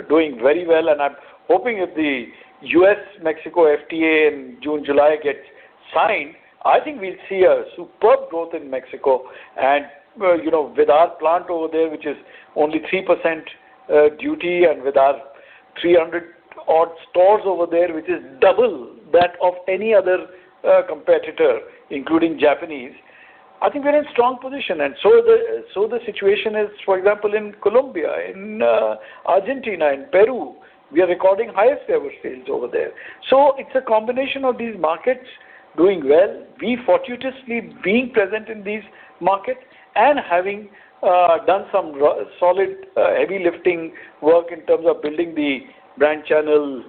doing very well, and I'm hoping if the U.S.-Mexico FTA in June, July gets signed, I think we'll see a superb growth in Mexico. You know, with our plant over there, which is only 3% duty, and with our 300 odd stores over there, which is double that of any other competitor, including Japanese, I think we're in a strong position. The situation is, for example, in Colombia, in Argentina, in Peru, we are recording highest ever sales over there. It's a combination of these markets doing well, we fortuitously being present in these markets and having done some solid heavy lifting work in terms of building the brand channel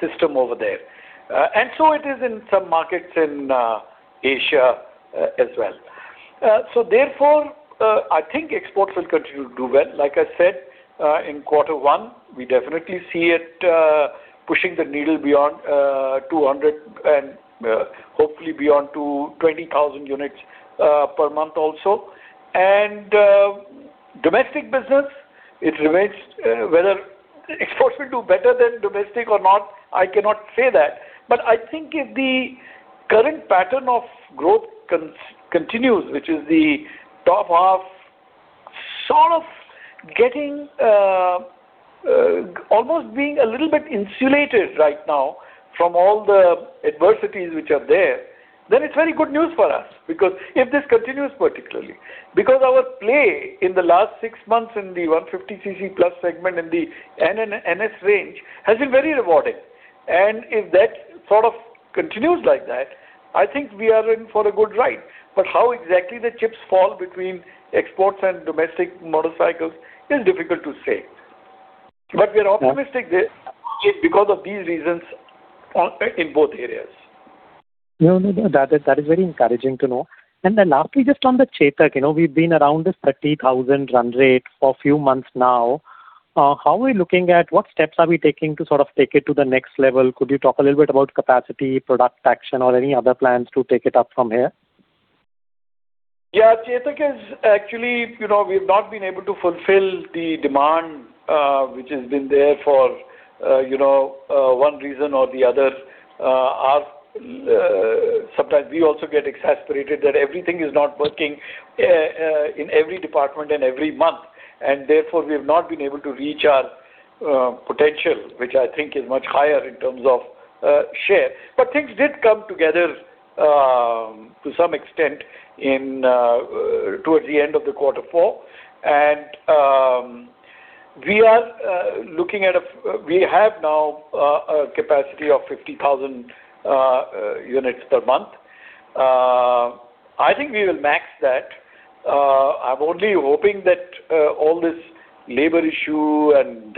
system over there. It is in some markets in Asia as well. I think exports will continue to do well. Like I said, in Q1, we definitely see it pushing the needle beyond 200 and hopefully beyond 20,000 units per month also. Domestic business, it remains, whether exports will do better than domestic or not, I cannot say that. I think if the current pattern of growth continues, which is the top half sort of getting almost being a little bit insulated right now from all the adversities which are there, then it's very good news for us because if this continues, particularly because our play in the last 6 months in the 150 cc plus segment in the N and NS range has been very rewarding. If that sort of continues like that, I think we are in for a good ride. How exactly the chips fall between exports and domestic motorcycles is difficult to say. We are optimistic because of these reasons in both areas. No, no. That is very encouraging to know. Lastly, just on the Chetak. You know, we've been around this 30,000-run rate for a few months now. What steps are we taking to sort of take it to the next level? Could you talk a little bit about capacity, product action or any other plans to take it up from here? Yeah. Chetak is actually, you know, we've not been able to fulfill the demand, which has been there for, you know, one reason or the other. Sometimes we also get exasperated that everything is not working in every department and every month, and therefore, we have not been able to reach our potential, which I think is much higher in terms of share. Things did come together to some extent in towards the end of the Q4. We have now a capacity of 50,000 units per month. I think we will max that. I'm only hoping that all this labor issue and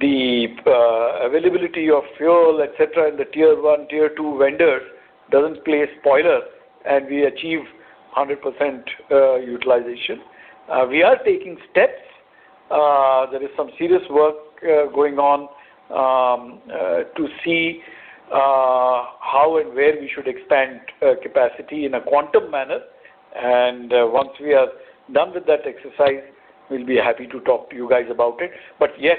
the availability of fuel, et cetera, and the tier 1, tier 2 vendor doesn't play a spoiler, and we achieve 100% utilization. We are taking steps. There is some serious work going on to see how and where we should expand capacity in a quantum manner. Once we are done with that exercise, we'll be happy to talk to you guys about it. Yes,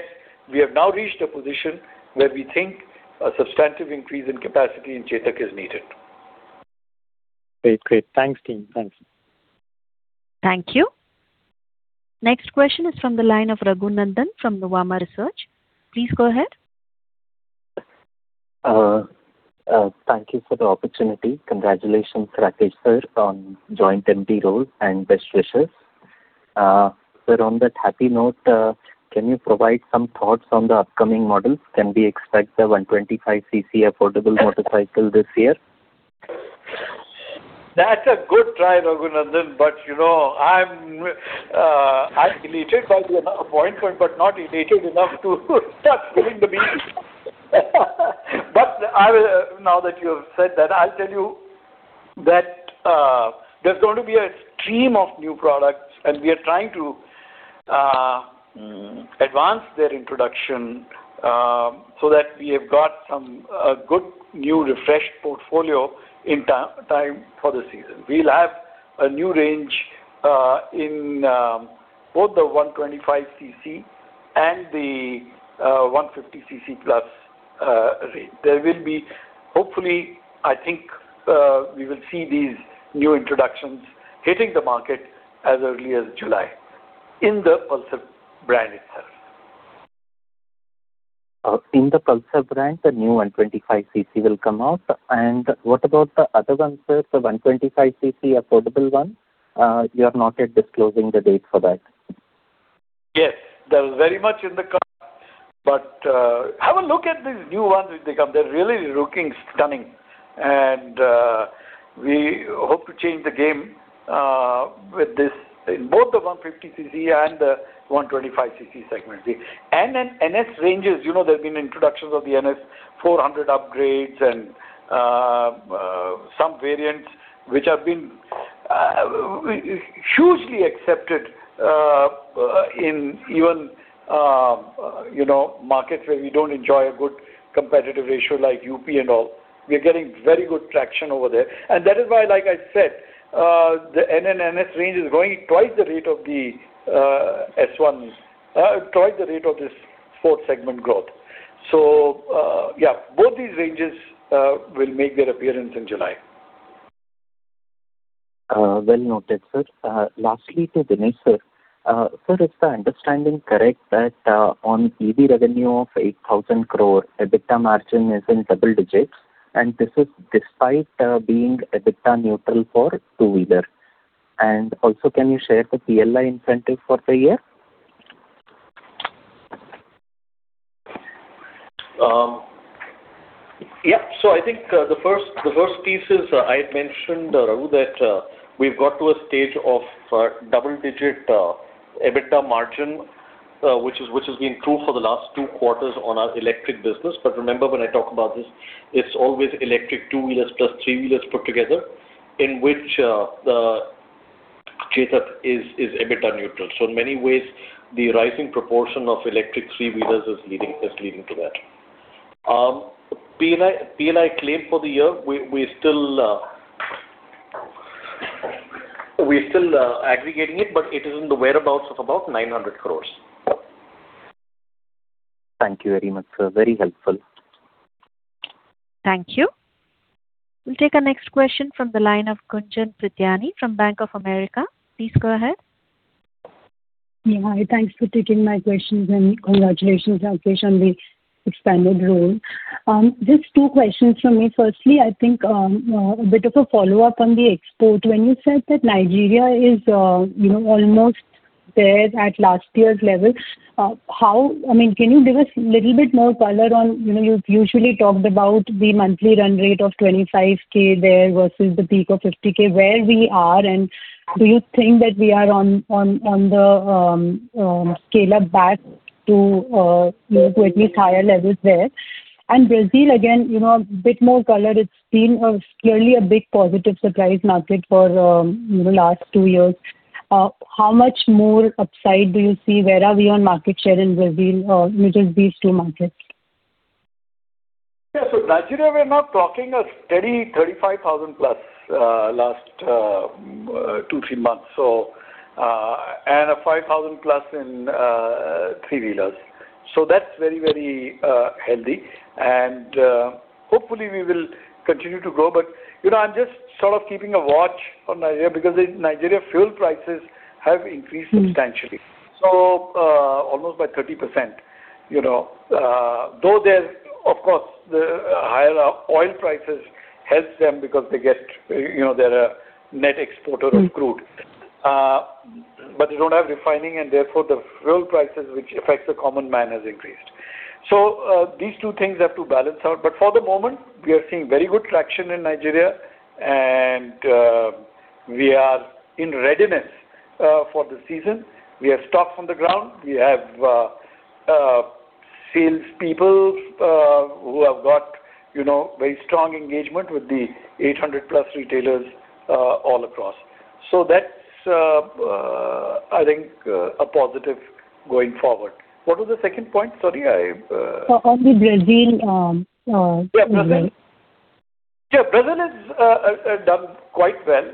we have now reached a position where we think a substantive increase in capacity in Chetak is needed. Great. Great. Thanks, team. Thanks. Thank you. Next question is from the line of Raghunandhan from the Nuvama Research. Please go ahead. Thank you for the opportunity. Congratulations, Rakesh Sharma, sir, on Joint MD role, and best wishes. On that happy note, can you provide some thoughts on the upcoming models? Can we expect the 125-cc affordable motorcycle this year? That's a good try, Raghu nandan. You know, I'm elated by the appointment, but not elated enough to start spilling the beans. I will, now that you have said that I'll tell you that there's going to be a stream of new products, and we are trying to advance their introduction, so that we have got some good new refreshed portfolio in time for the season. We'll have a new range in both the 125 cc and the 150 cc plus range. Hopefully, I think, we will see these new introductions hitting the market as early as July in the Pulsar brand itself. In the Pulsar brand, the new 125 cc will come out. What about the other ones, sir? 125 cc affordable one, you have not yet disclosing the date for that. Yes. They're very much in the cards. Have a look at these new ones when they come. They're really looking stunning. We hope to change the game with this in both the 150 cc and the 125-cc segment. The N and NS ranges, you know, there have been introductions of the NS 400 upgrades and some variants which have been hugely accepted in even, you know, markets where we don't enjoy a good competitive ratio like UP and all. We are getting very good traction over there. That is why, like I said, the N and NS range is growing at twice the rate of the S1. Twice the rate of this 4th segment growth. Yeah, both these ranges will make their appearance in July. Well noted, sir. Lastly to Dinesh, sir. Sir is the understanding correct that on EV revenue of 8,000 crore, EBITDA margin is in double digits, and this is despite being EBITDA neutral for two-wheeler. Also, can you share the PLI incentive for the year? Yeah. I think the first piece is I had mentioned, Rahul, that we've got to a stage of double-digit EBITDA margin, which has been true for the last 2 quarters on our electric business. Remember when I talk about this, it's always electric two-wheelers plus three-wheelers put together, in which the Chetak is EBITDA neutral. In many ways, the rising proportion of electric three-wheelers is leading to that. PLI claim for the year, we're still aggregating it, but it is in the whereabouts of about 900 crores. Thank you very much, sir. Very helpful. Thank you. We'll take our next question from the line of Gunjan Prithyani from Bank of America. Please go ahead. Yeah. Hi, thanks for taking my questions and congratulations, Rakesh, on the expanded role. Just two questions from me. Firstly, I think, a bit of a follow-up on the export. When you said that Nigeria is, you know, almost there at last year's level, I mean, can you give us little bit more color on, you know, you've usually talked about the monthly run rate of 25K there versus the peak of 50K. Where we are, do you think that we are on the scale up back to, you know, to at least higher levels there? Brazil, again, you know, a bit more color. It's been clearly a big positive surprise market for, you know, last two years. How much more upside do you see? Where are we on market share in Brazil? Just these two markets. Yeah. Nigeria, we're now clocking a steady 35,000 plus last two, three months, and a 5,000 plus in three-wheelers. That's very, very healthy. Hopefully we will continue to grow. You know, I'm just sort of keeping a watch on Nigeria because in Nigeria, fuel prices have increased substantially. Almost by 30%, you know. There's, of course, the higher oil prices helps them because they get, you know, they're a net exporter of crude. They don't have refining and therefore the fuel prices which affects the common man has increased. These two things have to balance out. For the moment, we are seeing very good traction in Nigeria, and we are in readiness for the season. We have stock on the ground. We have sales people who have got, you know, very strong engagement with the 800 plus retailers all across. That's, I think, a positive going forward. What was the second point? Sorry. On the Brazil. Yeah. Brazil- -Brazil. Yeah. Brazil has done quite well.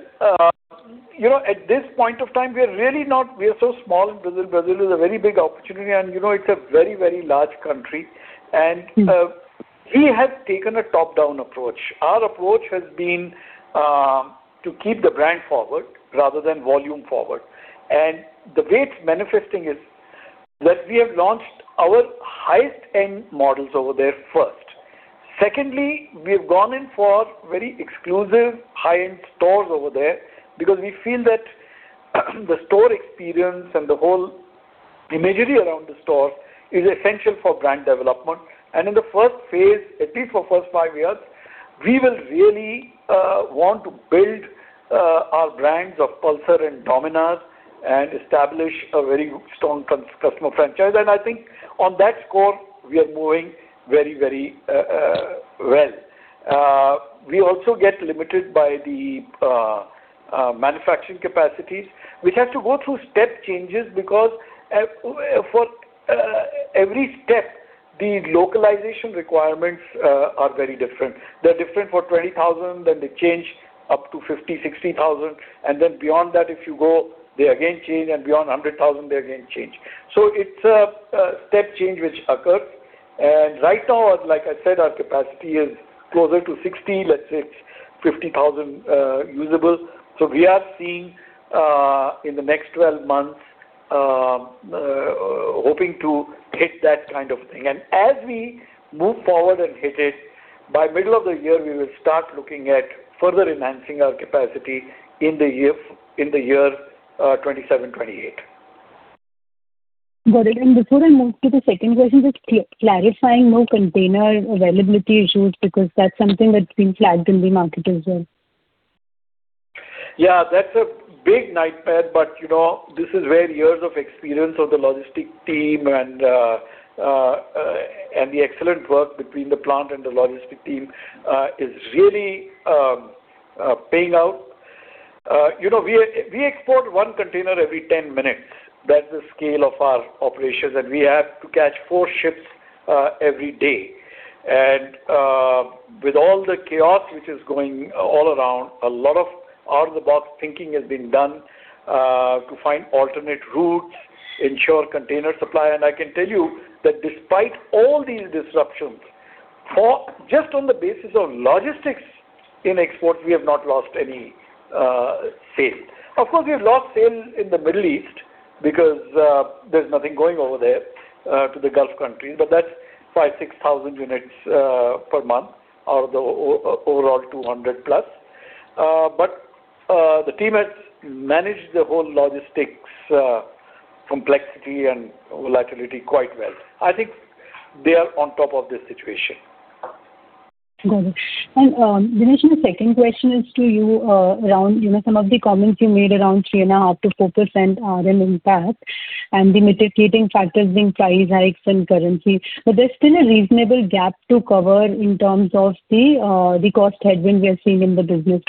you know, at this point of time, we are so small in Brazil. Brazil is a very big opportunity, you know, it's a very, very large country. we have taken a top-down approach. Our approach has been to keep the brand forward rather than volume forward. The way it's manifesting is that we have launched our highest end models over there first. Secondly, we have gone in for very exclusive high-end stores over there because we feel that the store experience and the whole imagery around the store is essential for brand development. In the first phase, at least for first five years, we will really want to build our brands of Pulsar and Dominar and establish a very strong customer franchise. I think on that score, we are moving very, very well. We also get limited by the manufacturing capacities. We have to go through step changes because for every step, the localization requirements are very different. They're different for 20,000, then they change up to 50,000, 60,000. Then beyond that if you go, they again change, and beyond 100,000, they again change. It's a step change which occurs. Right now, like I said, our capacity is closer to 60, let's say 50,000 usable. We are seeing in the next 12 months, hoping to hit that kind of thing. As we move forward and hit it, by middle of the year, we will start looking at further enhancing our capacity in the year 2027-2028. Got it. Before I move to the second question, just clarifying on container availability issues, because that's something that's been flagged in the market as well. Yeah, that's a big nightmare. You know, this is where years of experience of the logistic team and the excellent work between the plant and the logistic team is really paying out. You know, we export 1 container every 10 minutes. That's the scale of our operations, and we have to catch 4 ships every day. With all the chaos which is going all around, a lot of out-of-the-box thinking has been done to find alternate routes, ensure container supply. I can tell you that despite all these disruptions, for just on the basis of logistics in export, we have not lost any sale. Of course, we have lost sales in the Middle East because there's nothing going over there to the Gulf countries, but that's 5,000-6,000 units per month out of the overall 200 plus. The team has managed the whole logistics complexity and volatility quite well. I think they are on top of this situation. Got it. Dinesh, my second question is to you, around, you know, some of the comments you made around 3.5%-4% RM impact and the mitigating factors being price hikes and currency. There's still a reasonable gap to cover in terms of the cost headwind we are seeing in the business.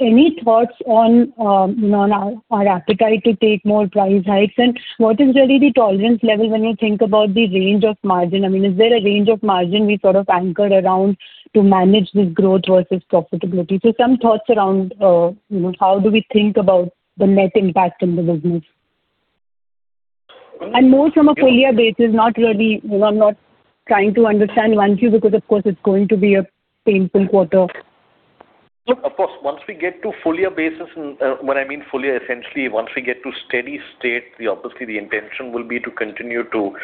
Any thoughts on our appetite to take more price hikes? What is really the tolerance level when you think about the range of margin? I mean, is there a range of margin we sort of anchor around to manage this growth versus profitability? Some thoughts around, you know, how do we think about the net impact in the business? More from a full year basis, not really, you know, I am not trying to understand 1 Q because of course it is going to be a painful quarter. Look, of course, once we get to full year basis, when I mean full year, essentially once we get to steady state, the obviously the intention will be to continue to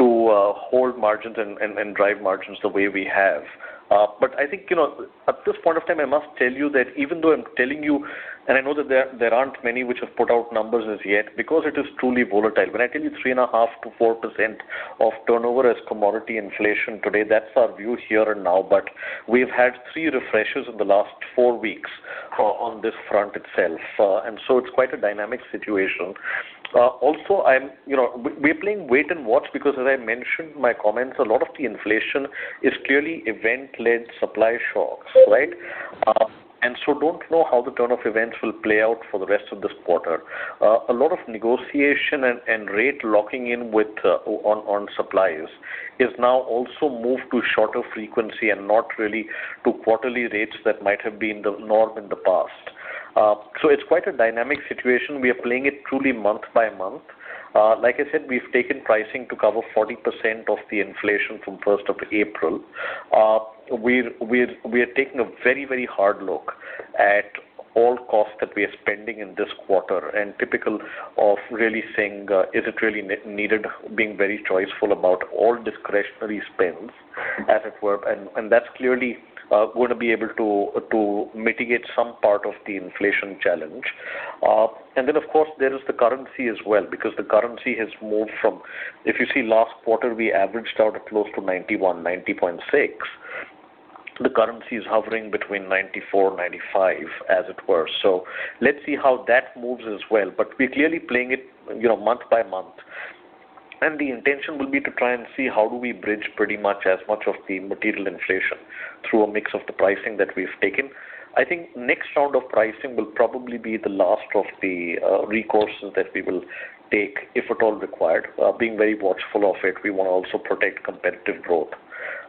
hold margins and drive margins the way we have. I think, you know, at this point of time, I must tell you that even though I'm telling you, and I know that there aren't many which have put out numbers as yet because it is truly volatile. When I tell you 3.5%-4% of turnover as commodity inflation today, that's our view here and now. We've had three refreshes in the last four weeks on this front itself. So, it's quite a dynamic situation. Also, I'm, you know, we're playing wait and watch because as I mentioned in my comments, a lot of the inflation is clearly event-led supply shocks, right? Don't know how the turn of events will play out for the rest of this quarter. A lot of negotiation and rate locking in with on suppliers is now also moved to shorter frequency and not really to quarterly rates that might have been the norm in the past. It's quite a dynamic situation. We are playing it truly month by month. Like I said, we've taken pricing to cover 40% of the inflation from 1st of April. We are taking a very, very hard look at all costs that we are spending in this quarter and typical of really saying, is it really needed, being very choiceful about all discretionary spends, as it were. That's clearly going to be able to mitigate some part of the inflation challenge. Then of course, there is the currency as well, because the currency has moved from If you see last quarter, we averaged out at close to 91, 90.6. The currency is hovering between 94, 95, as it were. Let's see how that moves as well. We're clearly playing it, you know, month by month. The intention will be to try and see how do we bridge pretty much as much of the material inflation through a mix of the pricing that we've taken. I think next round of pricing will probably be the last of the recourses that we will take, if at all required. Being very watchful of it, we want to also protect competitive growth.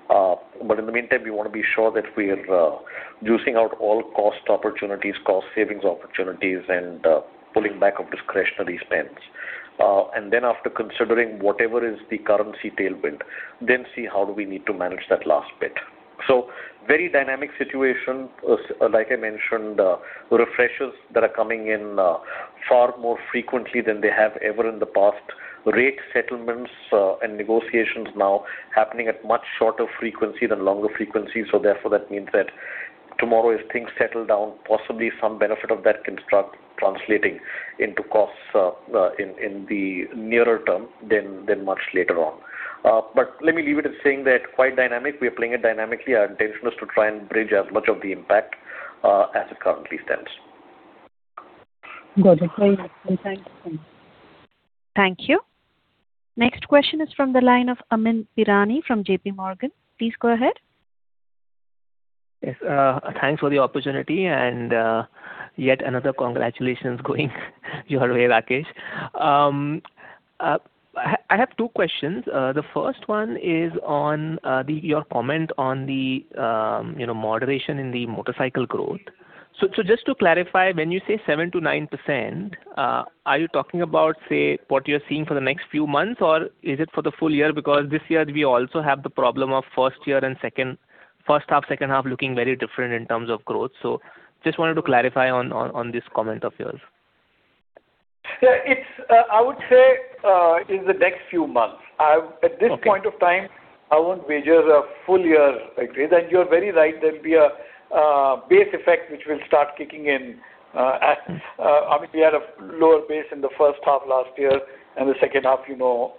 In the meantime, we want to be sure that we are juicing out all cost opportunities, cost savings opportunities, and pulling back on discretionary spends. After considering whatever is the currency tailwind, then see how do we need to manage that last bit. Very dynamic situation. Like I mentioned, refreshes that are coming in far more frequently than they have ever in the past. Rate settlements and negotiations now happening at much shorter frequency than longer frequency. Therefore, that means that tomorrow, if things settle down, possibly some benefit of that can start translating into costs, in the nearer term than much later on. But let me leave it at saying that quite dynamic. We are playing it dynamically. Our intention is to try and bridge as much of the impact, as it currently stands. Got it. Thank you. Thank you. Next question is from the line of Amyn Pirani from JP Morgan. Please go ahead. Yes. Thanks for the opportunity, and yet another congratulations going your way, Rakesh. I have two questions. The first one is on your comment on the, you know, moderation in the motorcycle growth. Just to clarify, when you say 7%-9%, are you talking about, say, what you're seeing for the next few months, or is it for the full year? Because this year we also have the problem of first year and first half, second half looking very different in terms of growth. Just wanted to clarify on this comment of yours. Yeah, it's, I would say, in the next few months. Okay. At this point of time, I won't wager a full year like this. You're very right, there'll be a base effect which will start kicking in. I mean, we had a lower base in the first half last year and the second half, you know,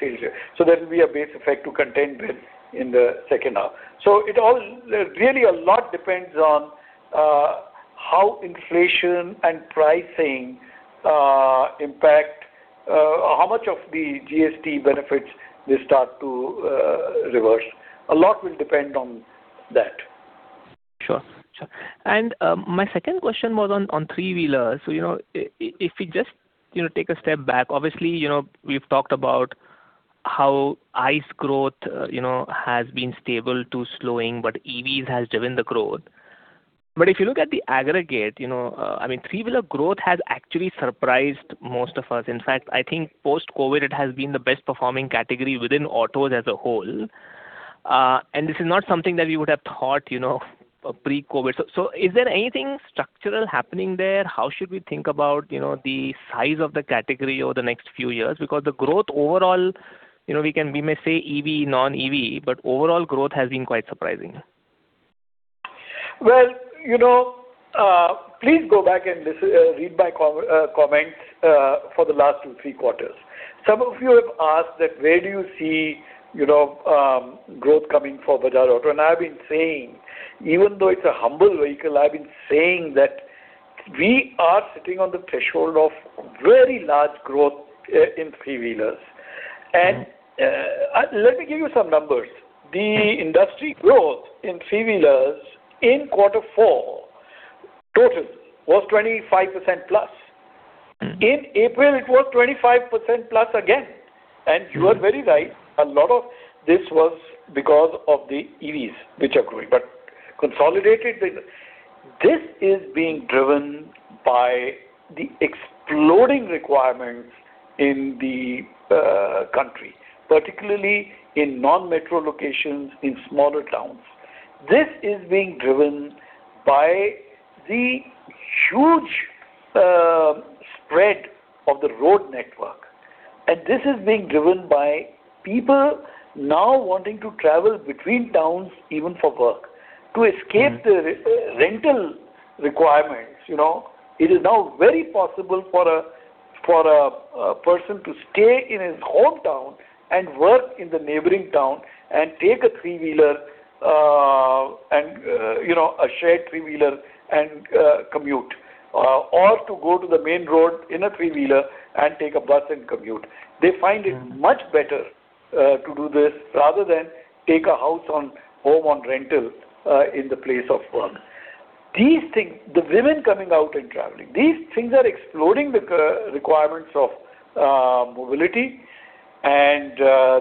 sales year. There will be a base effect to contend with in the second half. Really a lot depends on how inflation and pricing impact how much of the GST benefits will start to reverse. A lot will depend on that. Sure. My second question was on three-wheelers. If we just, you know, take a step back, obviously, you know, we've talked about how ICE growth, you know, has been stable to slowing, but EVs has driven the growth. If you look at the aggregate, you know, I mean, three-wheeler growth has actually surprised most of us. In fact, I think post-COVID, it has been the best performing category within autos as a whole. This is not something that we would have thought, you know, pre-COVID. Is there anything structural happening there? How should we think about, you know, the size of the category over the next few years? Because the growth overall, you know, we may say EV, non-EV, but overall growth has been quite surprising. Well, you know, please go back and read my comments for the last two, three quarters. Some of you have asked that where do you see, you know, growth coming for Bajaj Auto. I've been saying, even though it's a humble vehicle, I've been saying that we are sitting on the threshold of very large growth in three-wheelers. Let me give you some numbers. The industry growth in three-wheelers in quarter four, total was 25% plus. In April, it was 25% plus again. You are very right, a lot of this was because of the EVs which are growing. Consolidated, this is being driven by the exploding requirements in the country, particularly in non-metro locations, in smaller towns. This is being driven by the huge spread of the road network, and this is being driven by people now wanting to travel between towns, even for work, to escape. the re-rental requirements, you know. It is now very possible for a person to stay in his hometown and work in the neighboring town and take a three-wheeler and, you know, a shared three-wheeler and commute. To go to the main road in a three-wheeler and take a bus and commute. They find it much better to do this rather than take a house on, home on rental in the place of work. These things, the women coming out and traveling, these things are exploding the co-requirements of mobility and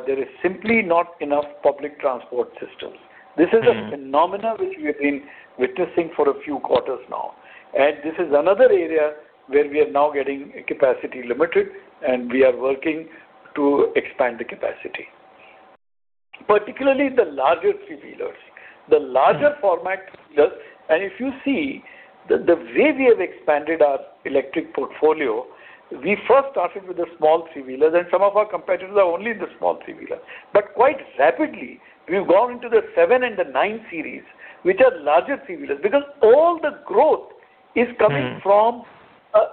there is simply not enough public transport systems. This is a phenomenon which we have been witnessing for a few quarters now. This is another area where we are now getting capacity limited, and we are working to expand the capacity. Particularly the larger three-wheelers. The larger format three-wheelers. If you see the way we have expanded our electric portfolio, we first started with the small three-wheelers, and some of our competitors are only in the small three-wheeler. Quite rapidly, we've gone into the seven and the nine series, which are larger three-wheelers.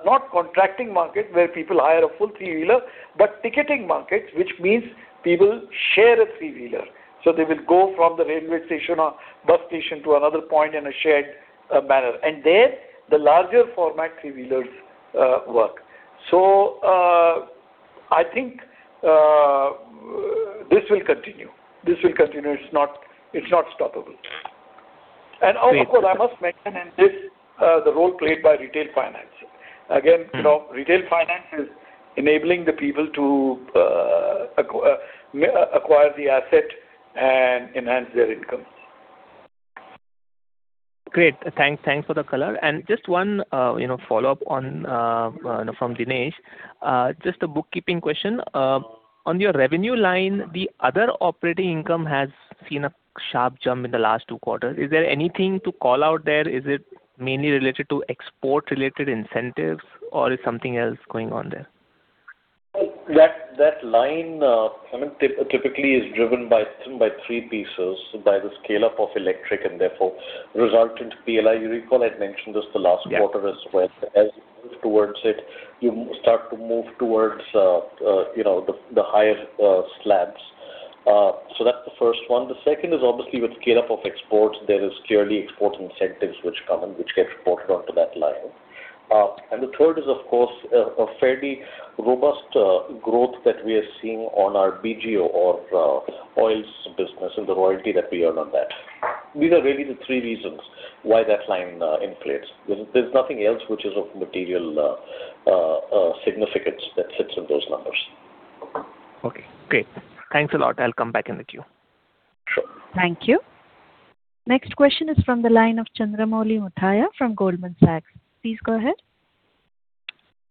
Not contracting market where people hire a full three-wheeler, but ticketing markets, which means people share a three-wheeler. They will go from the railway station or bus station to another point in a shared manner. There, the larger format three-wheelers work. I think this will continue. This will continue. It's not stoppable. Great. Of course, I must mention in this, the role played by retail finance. retail finance is enabling the people to acquire the asset and enhance their incomes. Great. Thanks. Thanks for the color. Just one, you know, follow-up on, you know, from Dinesh. Just a bookkeeping question. On your revenue line, the other operating income has seen a sharp jump in the last two quarters. Is there anything to call out there? Is it mainly related to export-related incentives, or is something else going on there? That line, I mean, typically is driven by three pieces, by the scale-up of electric, and therefore resultant PLI. You recall I'd mentioned this the last quarter as well. Yeah. As you move towards it, you start to move towards, you know, the higher slabs. That's the first one. The second is obviously with scale-up of exports, there is clearly export incentives which come in, which get reported onto that line. The third is, of course, a fairly robust growth that we are seeing on our BGO or oils business and the royalty that we earn on that. These are really the three reasons why that line inflates. There's nothing else which is of material significance that sits in those numbers. Okay. Great. Thanks a lot. I'll come back in with you. Sure. Thank you. Next question is from the line of Chandramouli Muthiah from Goldman Sachs. Please go ahead.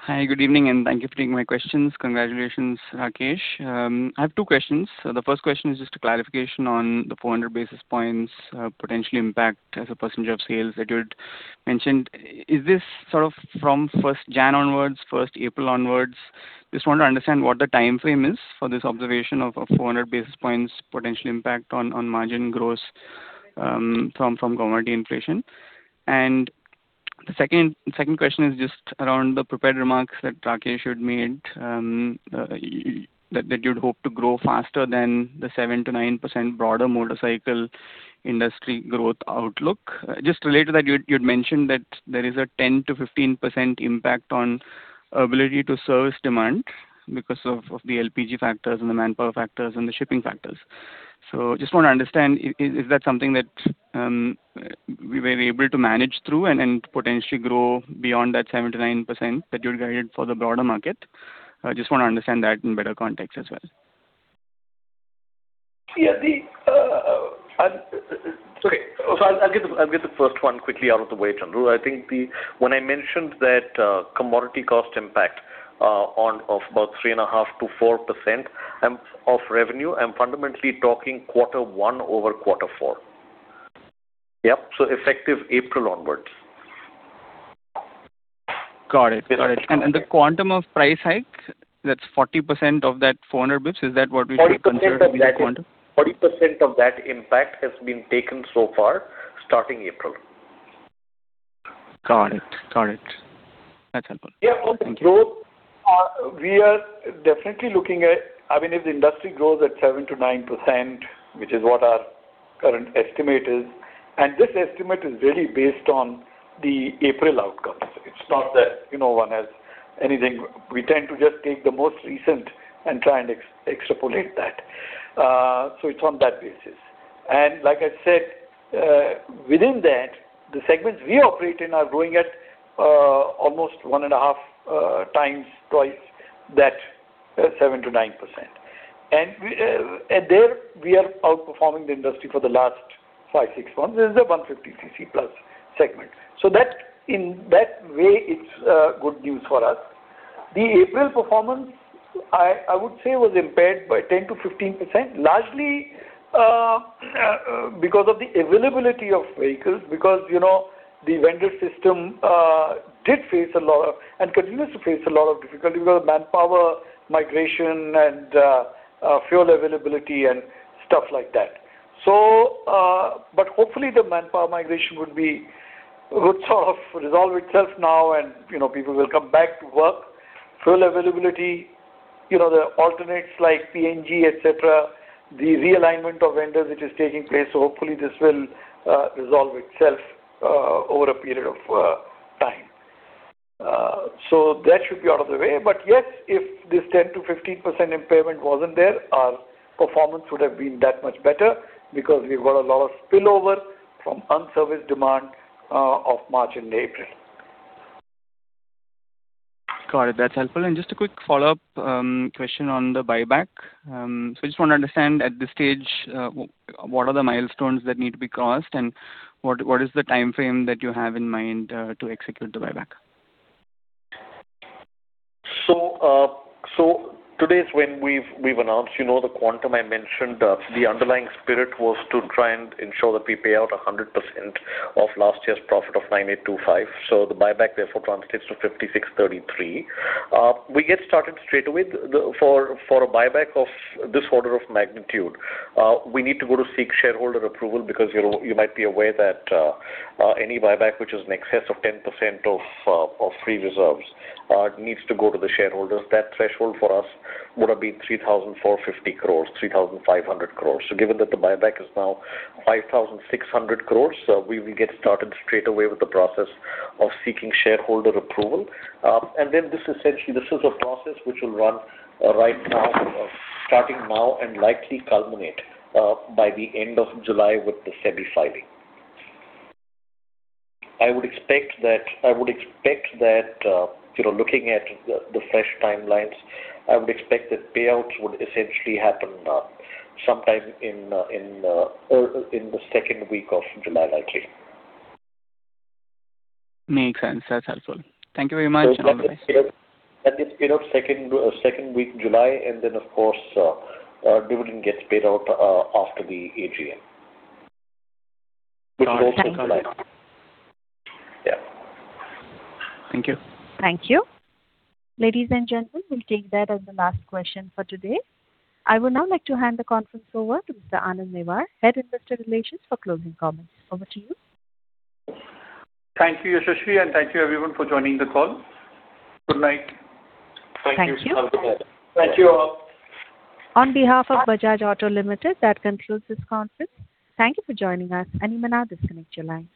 Hi, good evening. Thank you for taking my questions. Congratulations, Rakesh. I have two questions. The first question is just a clarification on the 400 basis points potential impact as a % of sales that you had mentioned. Is this sort of from 1st January onwards, 1st April onwards? Just want to understand what the timeframe is for this observation of 400 basis points potential impact on margin gross from commodity inflation. The second question is just around the prepared remarks that Rakesh had made that you'd hope to grow faster than the 7% to 9% broader motorcycle industry growth outlook. Just related to that, you had mentioned that there is a 10%-15% impact on ability to service demand because of the LPG factors and the manpower factors and the shipping factors. Just want to understand, is that something that we were able to manage through and potentially grow beyond that 7%-9% that you had guided for the broader market? I just want to understand that in better context as well. Okay. I'll get the first one quickly out of the way, Chandru. I think when I mentioned that commodity cost impact of about 3.5%-4% of revenue, I'm fundamentally talking quarter one over quarter four. Yep. Effective April onwards. Got it. Got it. Is that clear? The quantum of price hikes, that's 40% of that 400 basis points. Is that what we should consider to be the quantum? 40% of that impact has been taken so far, starting April. Got it. Got it. That's helpful. Thank you. Yeah. On the growth, we are definitely looking at I mean, if the industry grows at 7%-9%, which is what our current estimate is, and this estimate is really based on the April outcomes. It's not that, you know, one has anything. We tend to just take the most recent and try and extrapolate that. It's on that basis. Like I said, within that, the segments we operate in are growing at almost 1.5 times twice that 7%-9%. We, there we are outperforming the industry for the last five, six months. This is the 150 cc plus segment. That, in that way, it's good news for us. The April performance, I would say was impaired by 10%-15%, largely because of the availability of vehicles, because, you know, the vendor system did face a lot of and continues to face a lot of difficulty because of manpower migration and fuel availability and stuff like that. But hopefully the manpower migration would sort of resolve itself now and, you know, people will come back to work. Fuel availability, you know, the alternates like PNG, et cetera, the realignment of vendors, it is taking place, hopefully this will resolve itself over a period of time. That should be out of the way. Yes, if this 10%-15% impairment wasn't there, our performance would have been that much better because we've got a lot of spillover from unserviced demand of March and April. Got it. That's helpful. Just a quick follow-up question on the buyback. I just want to understand at this stage, what are the milestones that need to be crossed, and what is the timeframe that you have in mind to execute the buyback? Today's when we've announced, you know, the quantum I mentioned. The underlying spirit was to try and ensure that we pay out 100% of last year's profit of 9,825. The buyback therefore translates to 5,633. We get started straightaway. For a buyback of this order of magnitude, we need to go to seek shareholder approval because, you know, you might be aware that any buyback which is in excess of 10% of free reserves needs to go to the shareholders. That threshold for us would have been 3,450 crores, 3,500 crores. Given that the buyback is now 5,600 crores, we will get started straightaway with the process of seeking shareholder approval. Then this essentially, this is a process which will run right now, starting now and likely culminate by the end of July with the SEBI filing. I would expect that, you know, looking at the fresh timelines, I would expect that payouts would essentially happen sometime in the second week of July, likely. Makes sense. That's helpful. Thank you very much. That gets paid out second week July, and then of course, our dividend gets paid out after the AGM. Got it. Got it. Thank you. Yeah. Thank you. Thank you. Ladies and gentlemen, we'll take that as the last question for today. I would now like to hand the conference over to Mr. Anand Newar, Head, Investor Relations, for closing comments. Over to you. Thank you, Yashaswi, and thank you everyone for joining the call. Good night. Thank you. Have a good night. Thank you. Thank you all. On behalf of Bajaj Auto Limited, that concludes this conference. Thank you for joining us. You may now disconnect your lines.